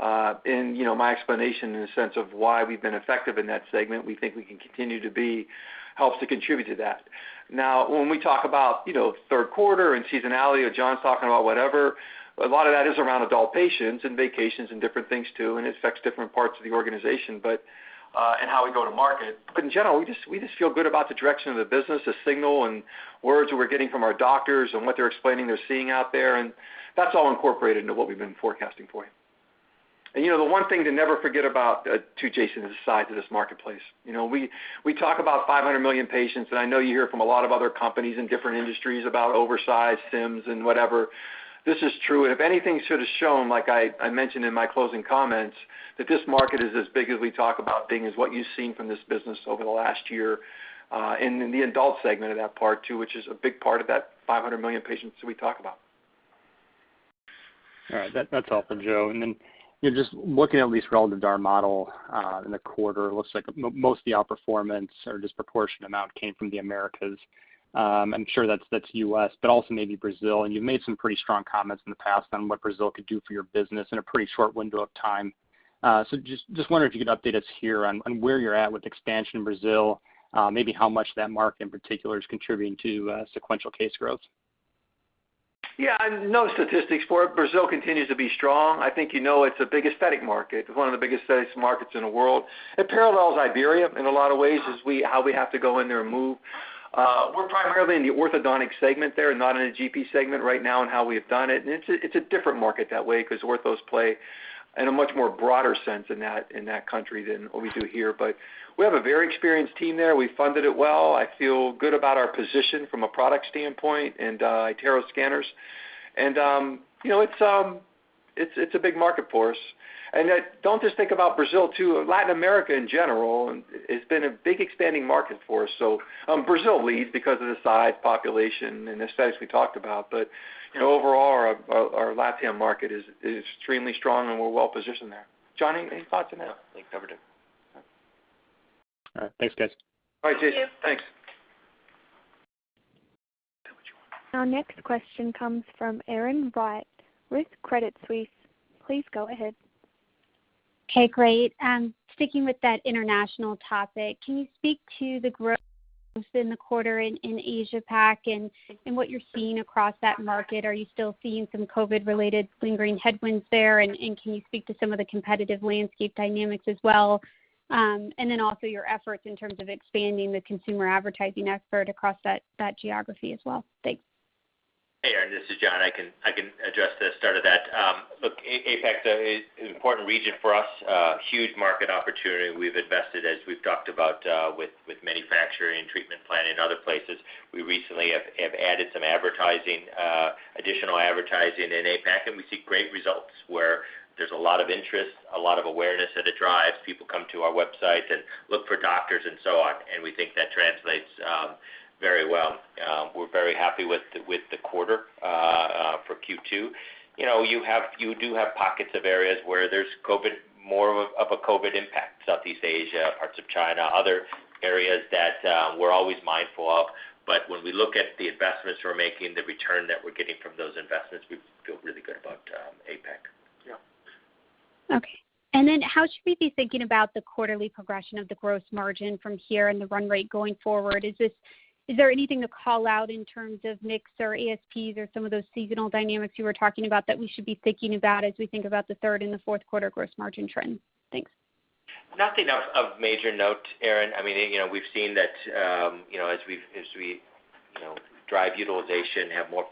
My explanation in the sense of why we've been effective in that segment, we think we can continue to be, helps to contribute to that. Now, when we talk about third quarter and seasonality or John's talking about whatever, a lot of that is around adult patients and vacations and different things, too, and it affects different parts of the organization, and how we go to market. In general, we just feel good about the direction of the business, the signal and words that we're getting from our doctors and what they're explaining they're seeing out there. That's all incorporated into what we've been forecasting for you. The one thing to never forget about, too, Jason, is the size of this marketplace. We talk about 500 million patients, and I know you hear from a lot of other companies in different industries about oversize TAMs and whatever. This is true, and if anything should have shown, like I mentioned in my closing comments, that this market is as big as we talk about being is what you've seen from this business over the last year, in the adult segment of that part, too, which is a big part of that 500 million patients that we talk about. All right. That's all for Joe. Then just looking at least relative to our model in the quarter, looks like most of the outperformance or disproportionate amount came from the Americas. I'm sure that's U.S., but also maybe Brazil, and you've made some pretty strong comments in the past on what Brazil could do for your business in a pretty short window of time. Just wonder if you could update us here on where you're at with expansion in Brazil. Maybe how much that market in particular is contributing to sequential case growth. Yeah. No statistics for it. Brazil continues to be strong. I think you know it's a big aesthetic market. One of the biggest aesthetics markets in the world. It parallels Iberia in a lot of ways as how we have to go in there and move. We're primarily in the orthodontic segment there and not in a GP segment right now in how we've done it. It's a different market that way because orthos play in a much more broader sense in that country than what we do here. We have a very experienced team there. We funded it well. I feel good about our position from a product standpoint and iTero scanners. It's a big market for us. Don't just think about Brazil, too. Latin America in general has been a big expanding market for us. Brazil leads because of the size, population, and aesthetics we talked about. Overall, our LATAM market is extremely strong, and we're well-positioned there. John, any thoughts on that? No. Think it's covered. All right. Thanks, guys. Bye, Jason. Thanks. Is that what you want? Our next question comes from Erin Wright with Credit Suisse. Please go ahead. Okay, great. Sticking with that international topic, can you speak to the growth in the quarter in Asia Pac and what you're seeing across that market? Are you still seeing some COVID-related lingering headwinds there, and can you speak to some of the competitive landscape dynamics as well? Also your efforts in terms of expanding the consumer advertising effort across that geography as well. Thanks. Hey, Erin, this is John. I can address the start of that. Look, APAC is an important region for us. Huge market opportunity. We've invested, as we've talked about, with manufacturing and treatment planning in other places. We recently have added some additional advertising in APAC, and we see great results where there's a lot of interest, a lot of awareness that it drives. People come to our website and look for doctors and so on, and we think that translates very well. We're very happy with the quarter for Q2. You do have pockets of areas where there's more of a COVID impact. Southeast Asia, parts of China, other areas that we're always mindful of. When we look at the investments we're making, the return that we're getting from those investments, we feel really good about APAC. Yeah. Okay. How should we be thinking about the quarterly progression of the gross margin from here and the run rate going forward? Is there anything to call out in terms of mix or ASPs or some of those seasonal dynamics you were talking about that we should be thinking about as we think about the third and the fourth quarter gross margin trends? Thanks. Nothing of major note, Erin. We've seen that as we drive utilization, have more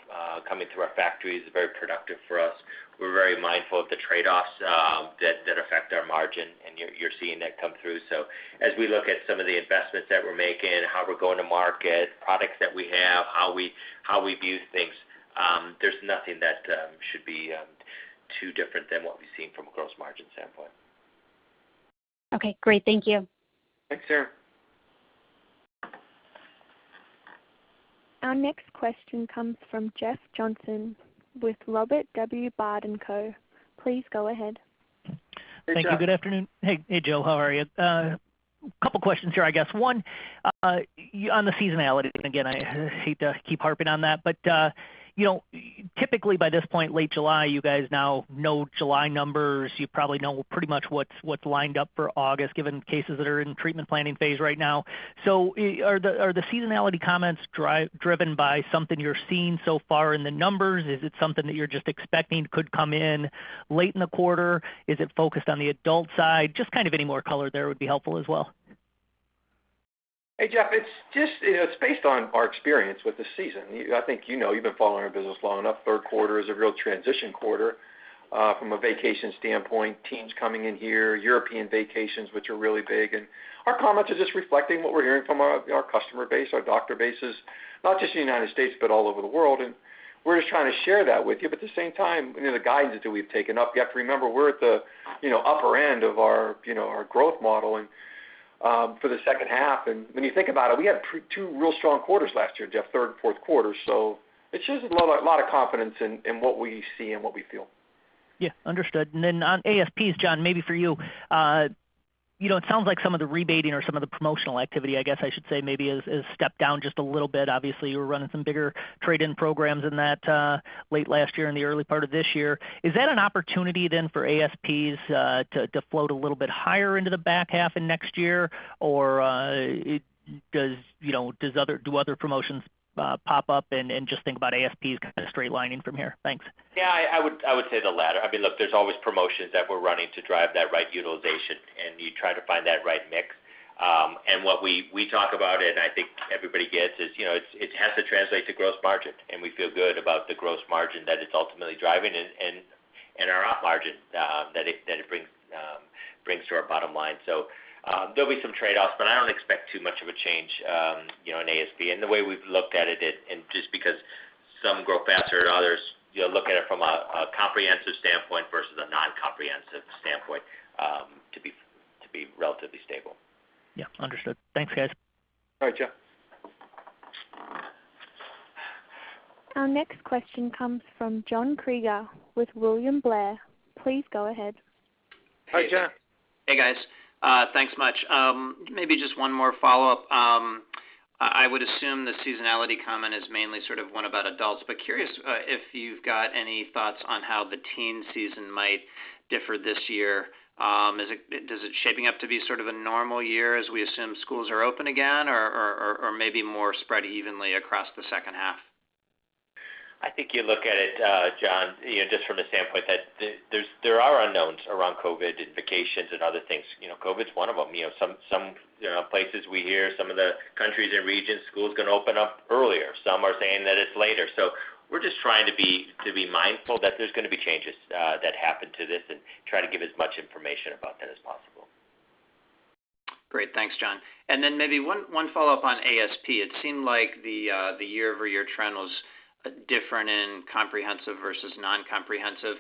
coming through our factories, very productive for us. We're very mindful of the trade-offs that affect our margin, and you're seeing that come through. As we look at some of the investments that we're making, how we're going to market, products that we have, how we view things, there's nothing that should be too different than what we've seen from a gross margin standpoint. Okay, great. Thank you. Thanks, Erin. Our next question comes from Jeff Johnson with Robert W. Baird & Co. Please go ahead. Hey, Jeff. Thank you. Good afternoon. Hey, Joe, how are you? Couple questions here, I guess. 1, on the seasonality, again, I hate to keep harping on that, typically by this point, late July, you guys now know July numbers. You probably know pretty much what's lined up for August, given cases that are in treatment planning phase right now. Are the seasonality comments driven by something you're seeing so far in the numbers? Is it something that you're just expecting could come in late in the quarter? Is it focused on the adult side? Just any more color there would be helpful as well. Hey, Jeff. It's based on our experience with the season. I think you know, you've been following our business long enough. Third quarter is a real transition quarter from a vacation standpoint, teens coming in here, European vacations, which are really big. Our comments are just reflecting what we're hearing from our customer base, our doctor bases, not just in the United States, but all over the world. We're just trying to share that with you. At the same time, the guidance that we've taken up, you have to remember, we're at the upper end of our growth model and for the second half. When you think about it, we had two real strong quarters last year, Jeff, third and fourth quarter. It shows a lot of confidence in what we see and what we feel. Understood. Then on ASPs, John, maybe for you. It sounds like some of the rebating or some of the promotional activity, I guess I should say, maybe has stepped down just a little bit. Obviously, you were running some bigger trade-in programs in that late last year and the early part of this year. Is that an opportunity then for ASPs to float a little bit higher into the back half and next year? Do other promotions pop up and just think about ASP as kind of straight lining from here? Thanks. Yeah, I would say the latter. Look, there's always promotions that we're running to drive that right utilization, and you try to find that right mix. What we talk about, and I think everybody gets is, it has to translate to gross margin, and we feel good about the gross margin that it's ultimately driving and our op margin that it brings to our bottom line. There'll be some trade-offs, but I don't expect too much of a change in ASP. The way we've looked at it, and just because some grow faster than others, you look at it from a comprehensive standpoint versus a non-comprehensive standpoint to be relatively stable. Yeah, understood. Thanks, guys. All right, Jeff. Our next question comes from John Kreger with William Blair. Please go ahead. Hi, John. Hey, guys. Thanks much. Maybe just one more follow-up. I would assume the seasonality comment is mainly sort of one about adults, but curious if you've got any thoughts on how the teen season might differ this year. Is it shaping up to be sort of a normal year as we assume schools are open again, or maybe more spread evenly across the second half? I think you look at it, John, just from the standpoint that there are unknowns around COVID and vacations and other things. COVID's one of them. Some places we hear, some of the countries and regions, schools are going to open up earlier. Some are saying that it's later. We're just trying to be mindful that there's going to be changes that happen to this and try to give as much information about that as possible. Great. Thanks, John. Maybe 1 follow-up on ASP. It seemed like the year-over-year trend was different in comprehensive versus non-comprehensive.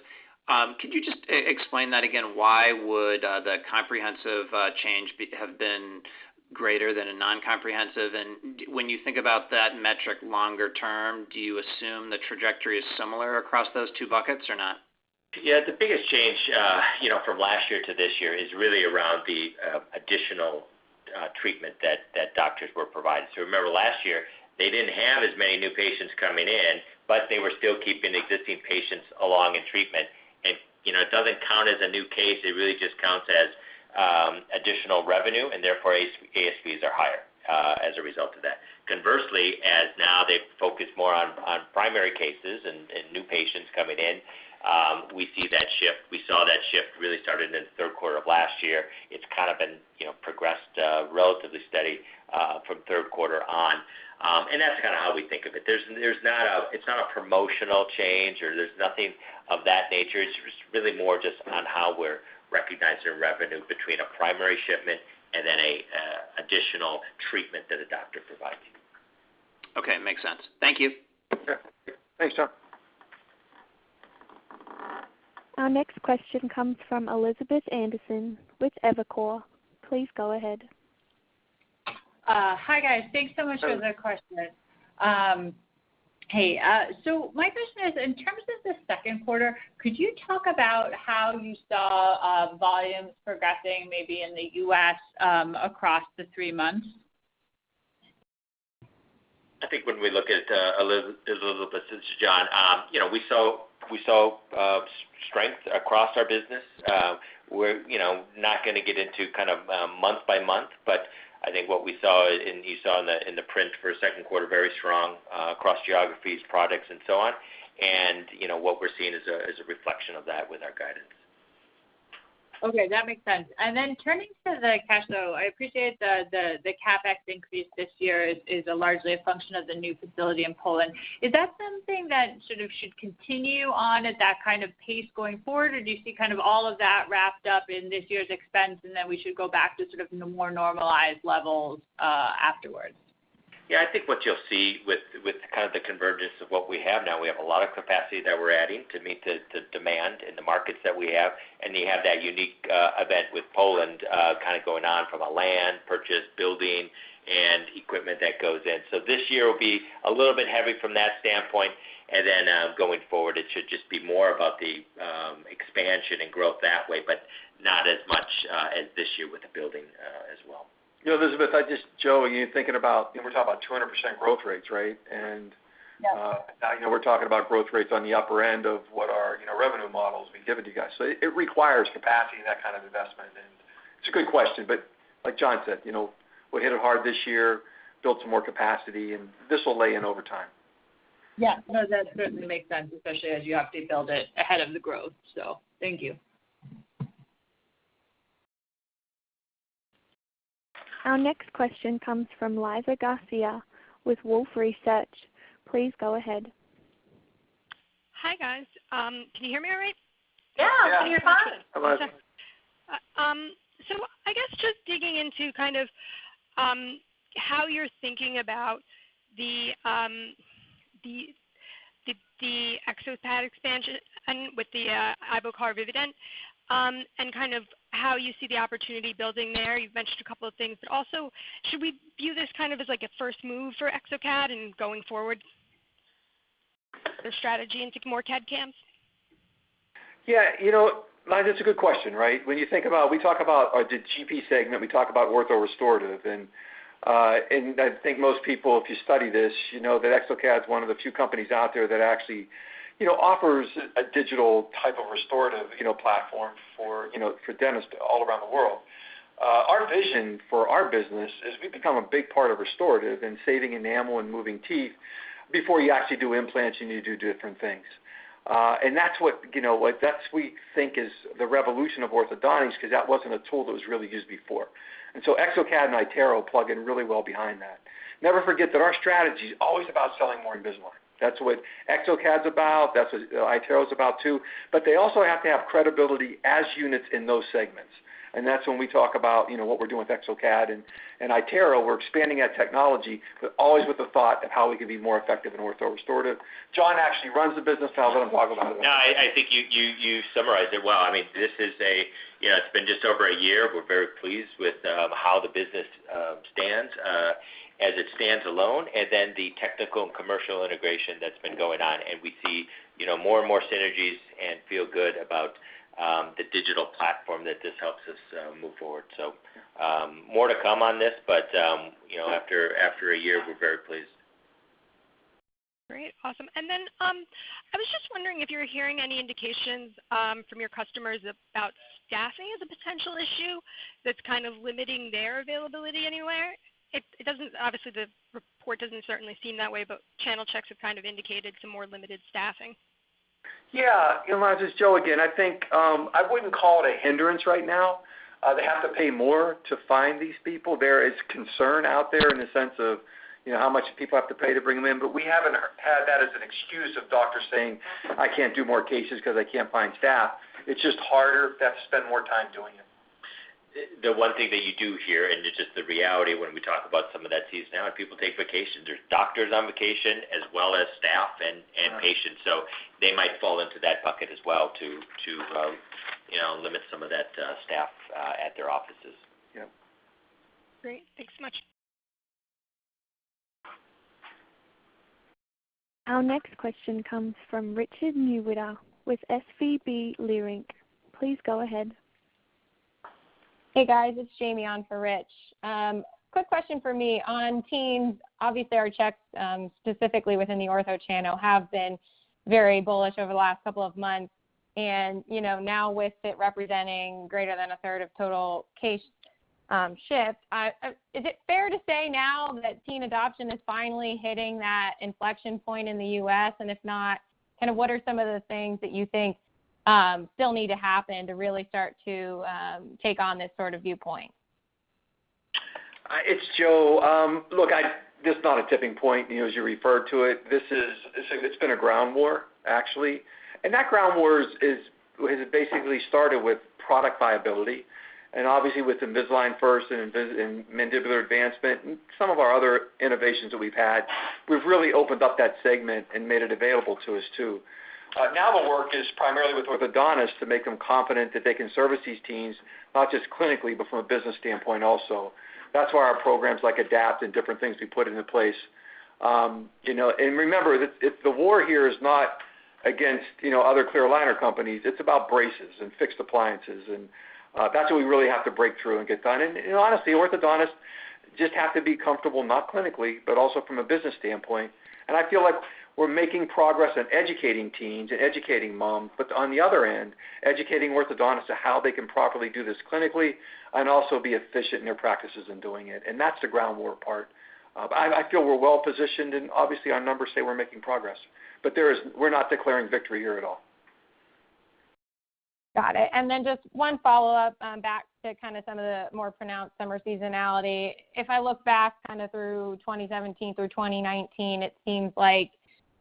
Could you just explain that again? Why would the comprehensive change have been greater than a non-comprehensive? When you think about that metric longer term, do you assume the trajectory is similar across those two buckets or not? Yeah, the biggest change from last year to this year is really around the additional treatment that doctors were providing. Remember last year, they didn't have as many new patients coming in, but they were still keeping existing patients along in treatment. It doesn't count as a new case. It really just counts as additional revenue, and therefore ASPs are higher as a result of that. Conversely, as now they focus more on primary cases and new patients coming in, we see that shift. We saw that shift really started in the third quarter of last year. It's kind of been progressed relatively steady from third quarter on. That's kind of how we think of it. It's not a promotional change or there's nothing of that nature. It's really more just on how we're recognizing revenue between a primary shipment and then an additional treatment that a doctor provides. Okay, makes sense. Thank you. Sure. Thanks, Jon Block. Our next question comes from Elizabeth Anderson with Evercore. Please go ahead. Hi, guys. Thanks so much for the questions. Hey, my question is in terms of the second quarter, could you talk about how you saw volumes progressing maybe in the U.S. across the three months? I think when we look at, Elizabeth, this is John. We saw strength across our business. We're not going to get into kind of month by month. I think what we saw in the print for second quarter, very strong across geographies, products, and so on. What we're seeing is a reflection of that with our guidance. Okay. That makes sense. Turning to the cash flow, I appreciate the CapEx increase this year is largely a function of the new facility in Poland. Is that something that should continue on at that kind of pace going forward? Do you see all of that wrapped up in this year's expense, and then we should go back to more normalized levels afterwards? Yeah. I think what you'll see with the convergence of what we have now, we have a lot of capacity that we're adding to meet the demand in the markets that we have. Then you have that unique event with Poland, kind of going on from a land purchase, building, and equipment that goes in. This year will be a little bit heavy from that standpoint, and then going forward, it should just be more about the expansion and growth that way, but not as much as this year with the building as well. Elizabeth, Joe, are you thinking about, we're talking about 200% growth rates, right? Yeah. We're talking about growth rates on the upper end of what our revenue models we've given to you guys. It requires capacity and that kind of investment, and it's a good question. Like John Morici said, we'll hit it hard this year, build some more capacity, and this will lay in over time. Yeah. No, that certainly makes sense, especially as you have to build it ahead of the growth. Thank you. Our next question comes from Liza Garcia with Wolfe Research. Please go ahead. Hi, guys. Can you hear me all right? Yeah. We can hear you fine. Yeah. Liza. I guess just digging into how you're thinking about the exocad expansion with the Ivoclar Vivadent, and how you see the opportunity building there. You've mentioned a couple of things, but also should we view this as like a first move for exocad and going forward with strategy and getting more CAD/CAMs? Yeah. Liza, it's a good question, right? You think about, we talk about the GP segment, we talk about ortho restorative, and I think most people, if you study this, you know that exocad's one of the few companies out there that actually offers a digital type of restorative platform for dentists all around the world. Our vision for our business is we become a big part of restorative and saving enamel and moving teeth. Before you actually do implants, you need to do different things. That's what we think is the revolution of orthodontics, because that wasn't a tool that was really used before. exocad and iTero plug in really well behind that. Never forget that our strategy's always about selling more Invisalign. That's what exocad's about. That's what iTero's about too. They also have to have credibility as units in those segments. That's when we talk about what we're doing with exocad and iTero. We're expanding that technology, but always with the thought of how we can be more effective in ortho restorative. John actually runs the business. I'll let him talk about it. No, I think you summarized it well. It's been just over a year. We're very pleased with how the business stands as it stands alone, and then the technical and commercial integration that's been going on. We see more and more synergies and feel good about the digital platform that this helps us move forward. More to come on this, but after a year, we're very pleased. Great. Awesome. I was just wondering if you're hearing any indications from your customers about staffing as a potential issue that's limiting their availability anywhere. Obviously, the report doesn't certainly seem that way, but channel checks have indicated some more limited staffing. Yeah. Liza, it's Joe again. I think, I wouldn't call it a hindrance right now. They have to pay more to find these people. There is concern out there in the sense of how much people have to pay to bring them in, but we haven't had that as an excuse of doctors saying, "I can't do more cases because I can't find staff." It's just harder. They have to spend more time doing it. The one thing that you do hear, it's just the reality when we talk about some of that seasonality and people take vacations, there's doctors on vacation as well as staff and patients. They might fall into that bucket as well, to limit some of that staff at their offices. Yeah. Great. Thanks so much. Our next question comes from Richard Newitter with SVB Leerink. Please go ahead. Hey, guys. It's Jamie on for Rich. Quick question from me. On teens, obviously our checks, specifically within the ortho channel, have been very bullish over the last couple of months. Now with it representing greater than a third of total case ships, is it fair to say now that teen adoption is finally hitting that inflection point in the U.S.? If not, what are some of the things that you think still need to happen to really start to take on this sort of viewpoint? It's Joe. Look, this is not a tipping point, as you refer to it. It's been a ground war, actually. That ground war has basically started with product viability, and obviously with Invisalign First and mandibular advancement and some of our other innovations that we've had. We've really opened up that segment and made it available to us, too. Now the work is primarily with orthodontists to make them confident that they can service these teens, not just clinically, but from a business standpoint also. That's why our programs like ADAPT and different things we put into place. Remember, the war here is not against other clear aligner companies. It's about braces and fixed appliances, and that's what we really have to break through and get done. In honesty, orthodontists just have to be comfortable, not clinically, but also from a business standpoint. I feel like we're making progress in educating teens and educating moms, on the other end, educating orthodontists on how they can properly do this clinically and also be efficient in their practices in doing it. That's the groundwork part. I feel we're well-positioned, and obviously our numbers say we're making progress, but we're not declaring victory here at all. Got it. Just one follow-up back to kind of some of the more pronounced summer seasonality. If I look back kind of through 2017 through 2019, it seems like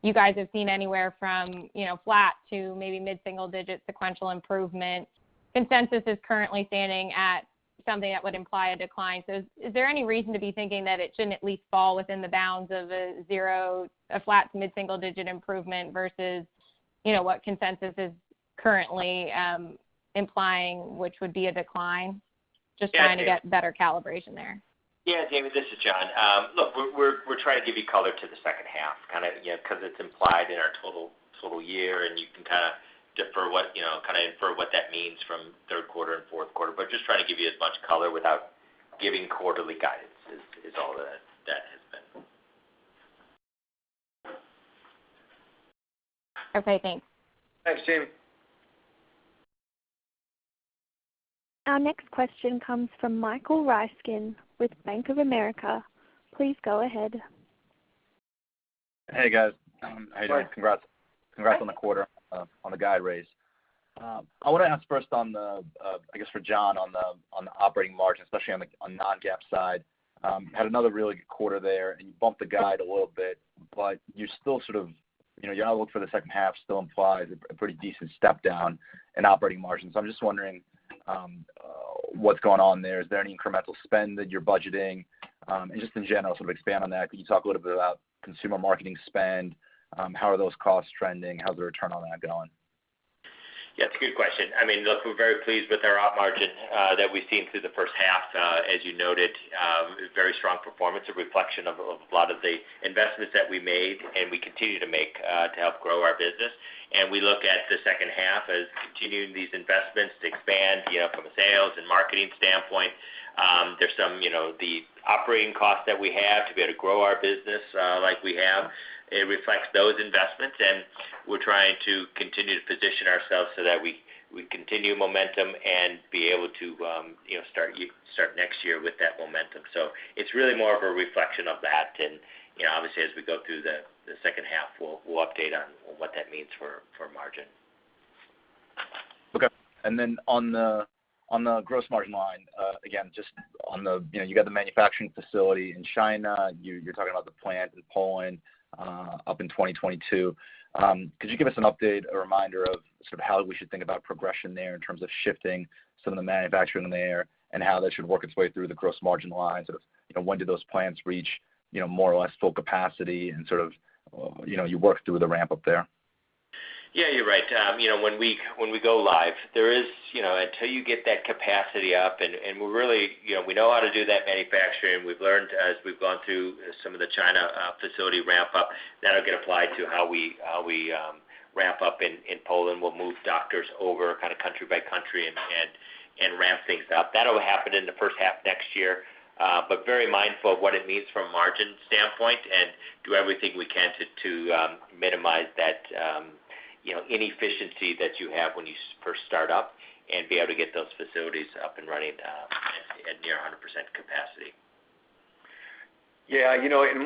you guys have seen anywhere from flat to maybe mid-single digit sequential improvement. Consensus is currently standing at something that would imply a decline. Is there any reason to be thinking that it shouldn't at least fall within the bounds of a flat to mid-single digit improvement versus what consensus is currently implying, which would be a decline? Just trying to get better calibration there. Yeah, Jamie, this is John. Look, we're trying to give you color to the second half, because it's implied in our total year, and you can kind of infer what that means from third quarter and fourth quarter. Just trying to give you as much color without giving quarterly guidance is all that has been. Okay. Thanks. Thanks, Jamie. Our next question comes from Michael Ryskin with Bank of America. Please go ahead. Hey, guys. Hi. How are you doing? Congrats on the quarter, on the guide raise. I want to ask first, I guess for John, on the operating margin, especially on the non-GAAP side. Had another really good quarter there, and you bumped the guide a little bit, but your outlook for the second half still implies a pretty decent step down in operating margins. I'm just wondering what's going on there. Is there any incremental spend that you're budgeting? Just in general, sort of expand on that. Can you talk a little bit about consumer marketing spend? How are those costs trending? How's the return on that going? Yeah, it's a good question. I mean, look, we're very pleased with our op margin that we've seen through the first half. As you noted, very strong performance, a reflection of a lot of the investments that we made and we continue to make to help grow our business. We look at the second half as continuing these investments to expand from a sales and marketing standpoint. There's some operating costs that we have to be able to grow our business like we have. It reflects those investments, and we're trying to continue to position ourselves so that we continue momentum and be able to start next year with that momentum. It's really more of a reflection of that. Obviously as we go through the second half, we'll update on what that means for margin. Okay. On the gross margin line, again, you got the manufacturing facility in China. You're talking about the plant in Poland up in 2022. Could you give us an update, a reminder of sort of how we should think about progression there in terms of shifting some of the manufacturing there, and how that should work its way through the gross margin lines of when do those plants reach more or less full capacity and sort of you work through the ramp up there? Yeah, you're right. When we go live, until you get that capacity up, and we know how to do that manufacturing. We've learned as we've gone through some of the China facility ramp up, that'll get applied to how we ramp up in Poland. We'll move doctors over kind of country by country and ramp things up. That'll happen in the first half next year. Very mindful of what it means from a margin standpoint and do everything we can to minimize that inefficiency that you have when you first start up and be able to get those facilities up and running at near 100% capacity. Yeah.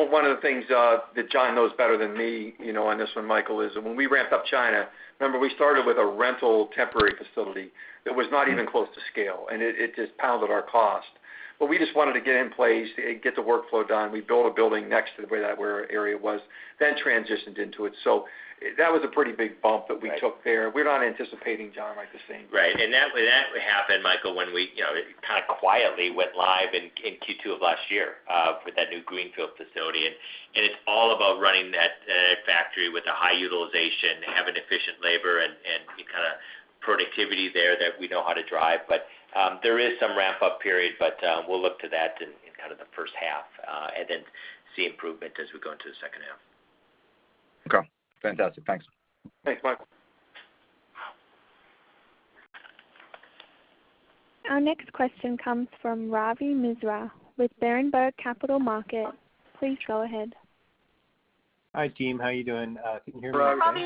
One of the things that John knows better than me on this one, Michael, is when we ramped up China, remember we started with a rental temporary facility that was not even close to scale, and it just pounded our cost. We just wanted to get in place, get the workflow done. We built a building next to where that area was, then transitioned into it. That was a pretty big bump that we took there. We're not anticipating, John, the same. Right. That happened, Michael, when we kind of quietly went live in Q2 of last year with that new greenfield facility, It's all about running that factory with a high utilization, having efficient labor and kind of productivity there that we know how to drive. There is some ramp-up period, but we'll look to that in kind of the first half, and then see improvement as we go into the second half. Okay. Fantastic. Thanks. Thanks, Michael. Our next question comes from Ravi Misra with Berenberg Capital Markets. Please go ahead. Hi, team. How are you doing? Can you hear me okay? Hi, Ravi.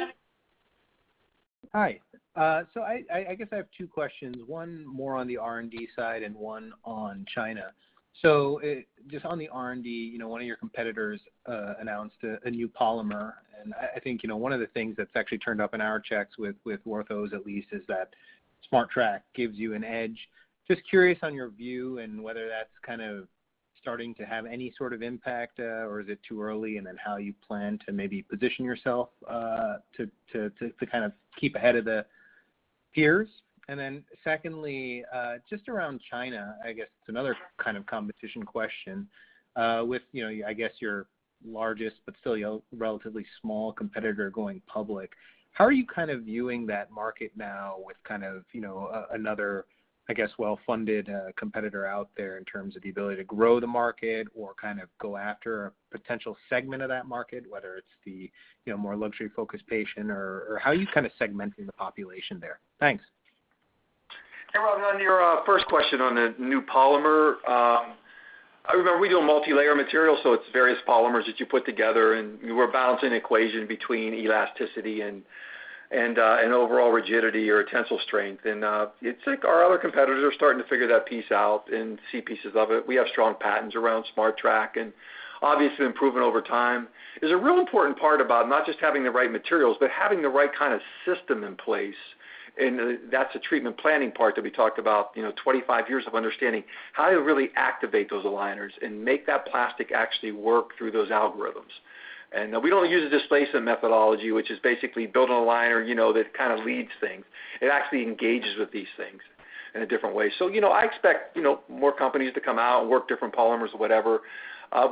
Hi. Hi. I guess I have two questions, one more on the R&D side and one on China. Just on the R&D, one of your competitors announced a new polymer, and I think one of the things that's actually turned up in our checks with orthos at least, is that SmartTrack gives you an edge. Just curious on your view and whether that's kind of starting to have any sort of impact, or is it too early, and then how you plan to maybe position yourself to kind of keep ahead of the peers. Secondly, just around China, I guess it's another kind of competition question. With I guess your largest but still relatively small competitor going public, how are you kind of viewing that market now with kind of another, I guess, well-funded competitor out there in terms of the ability to grow the market or kind of go after a potential segment of that market, whether it's the more luxury focused patient, or how are you kind of segmenting the population there? Thanks. Yeah, Ravi, on your first question on the new polymer. Remember, we do multilayer material, so it's various polymers that you put together. We're balancing equation between elasticity and overall rigidity or tensile strength. It's like our other competitors are starting to figure that piece out and see pieces of it. We have strong patents around SmartTrack, obviously improvement over time. There's a real important part about not just having the right materials, but having the right kind of system in place. That's the treatment planning part that we talked about, 25 years of understanding. How do you really activate those aligners and make that plastic actually work through those algorithms? We only use a displacement methodology, which is basically building an aligner that kind of leads things. It actually engages with these things in a different way. I expect more companies to come out and work different polymers or whatever.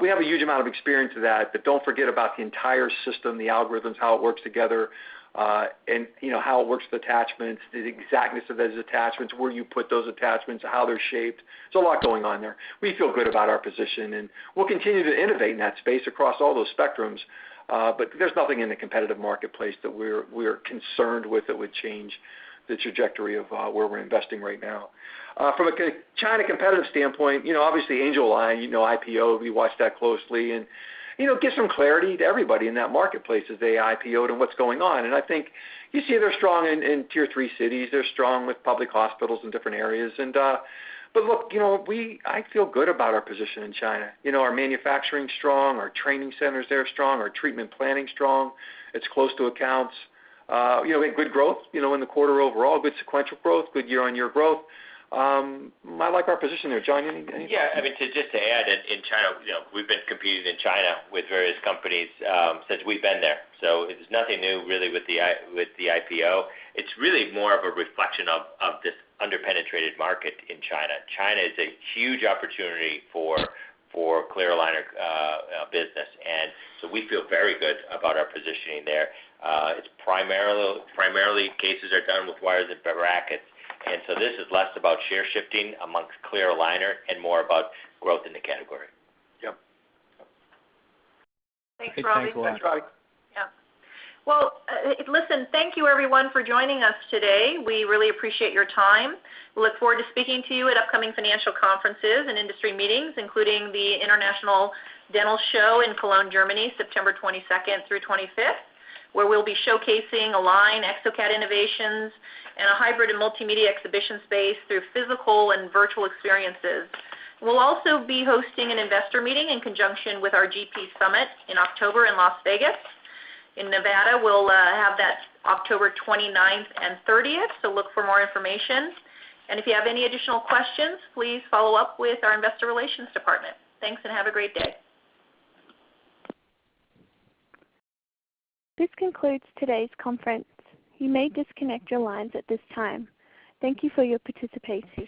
We have a huge amount of experience with that, but don't forget about the entire system, the algorithms, how it works together, and how it works with attachments, the exactness of those attachments, where you put those attachments, how they're shaped. There's a lot going on there. We feel good about our position, and we'll continue to innovate in that space across all those spectrums. There's nothing in the competitive marketplace that we're concerned with that would change the trajectory of where we're investing right now. From a China competitive standpoint, obviously Angelalign, IPO'd, we watch that closely, and gives some clarity to everybody in that marketplace as they IPO to what's going on. I think you see they're strong in Tier 3 cities. They're strong with public hospitals in different areas. Look, I feel good about our position in China. Our manufacturing's strong, our training center's there strong, our treatment planning's strong. It's close to accounts. We had good growth in the quarter overall, good sequential growth, good year-on-year growth. I like our position there. John, anything? Yeah, I mean, just to add, in China, we've been competing in China with various companies since we've been there. It's nothing new really with the IPO. It's really more of a reflection of this under-penetrated market in China. China is a huge opportunity for clear aligner business, we feel very good about our positioning there. It's primarily cases are done with wires and brackets, this is less about share shifting amongst clear aligner and more about growth in the category. Yep. Thanks, Ravi. Thanks, Ravi. Yeah. Well, listen, thank you everyone for joining us today. We really appreciate your time. We look forward to speaking to you at upcoming financial conferences and industry meetings, including the International Dental Show in Cologne, Germany, September 22nd through 25th, where we'll be showcasing Align exocad innovations in a hybrid and multimedia exhibition space through physical and virtual experiences. We'll also be hosting an investor meeting in conjunction with our GP Summit in October in Las Vegas, in Nevada. We'll have that October 29th and 30th, so look for more information. If you have any additional questions, please follow up with our investor relations department. Thanks, and have a great day. This concludes today's conference. You may disconnect your lines at this time. Thank you for your participation.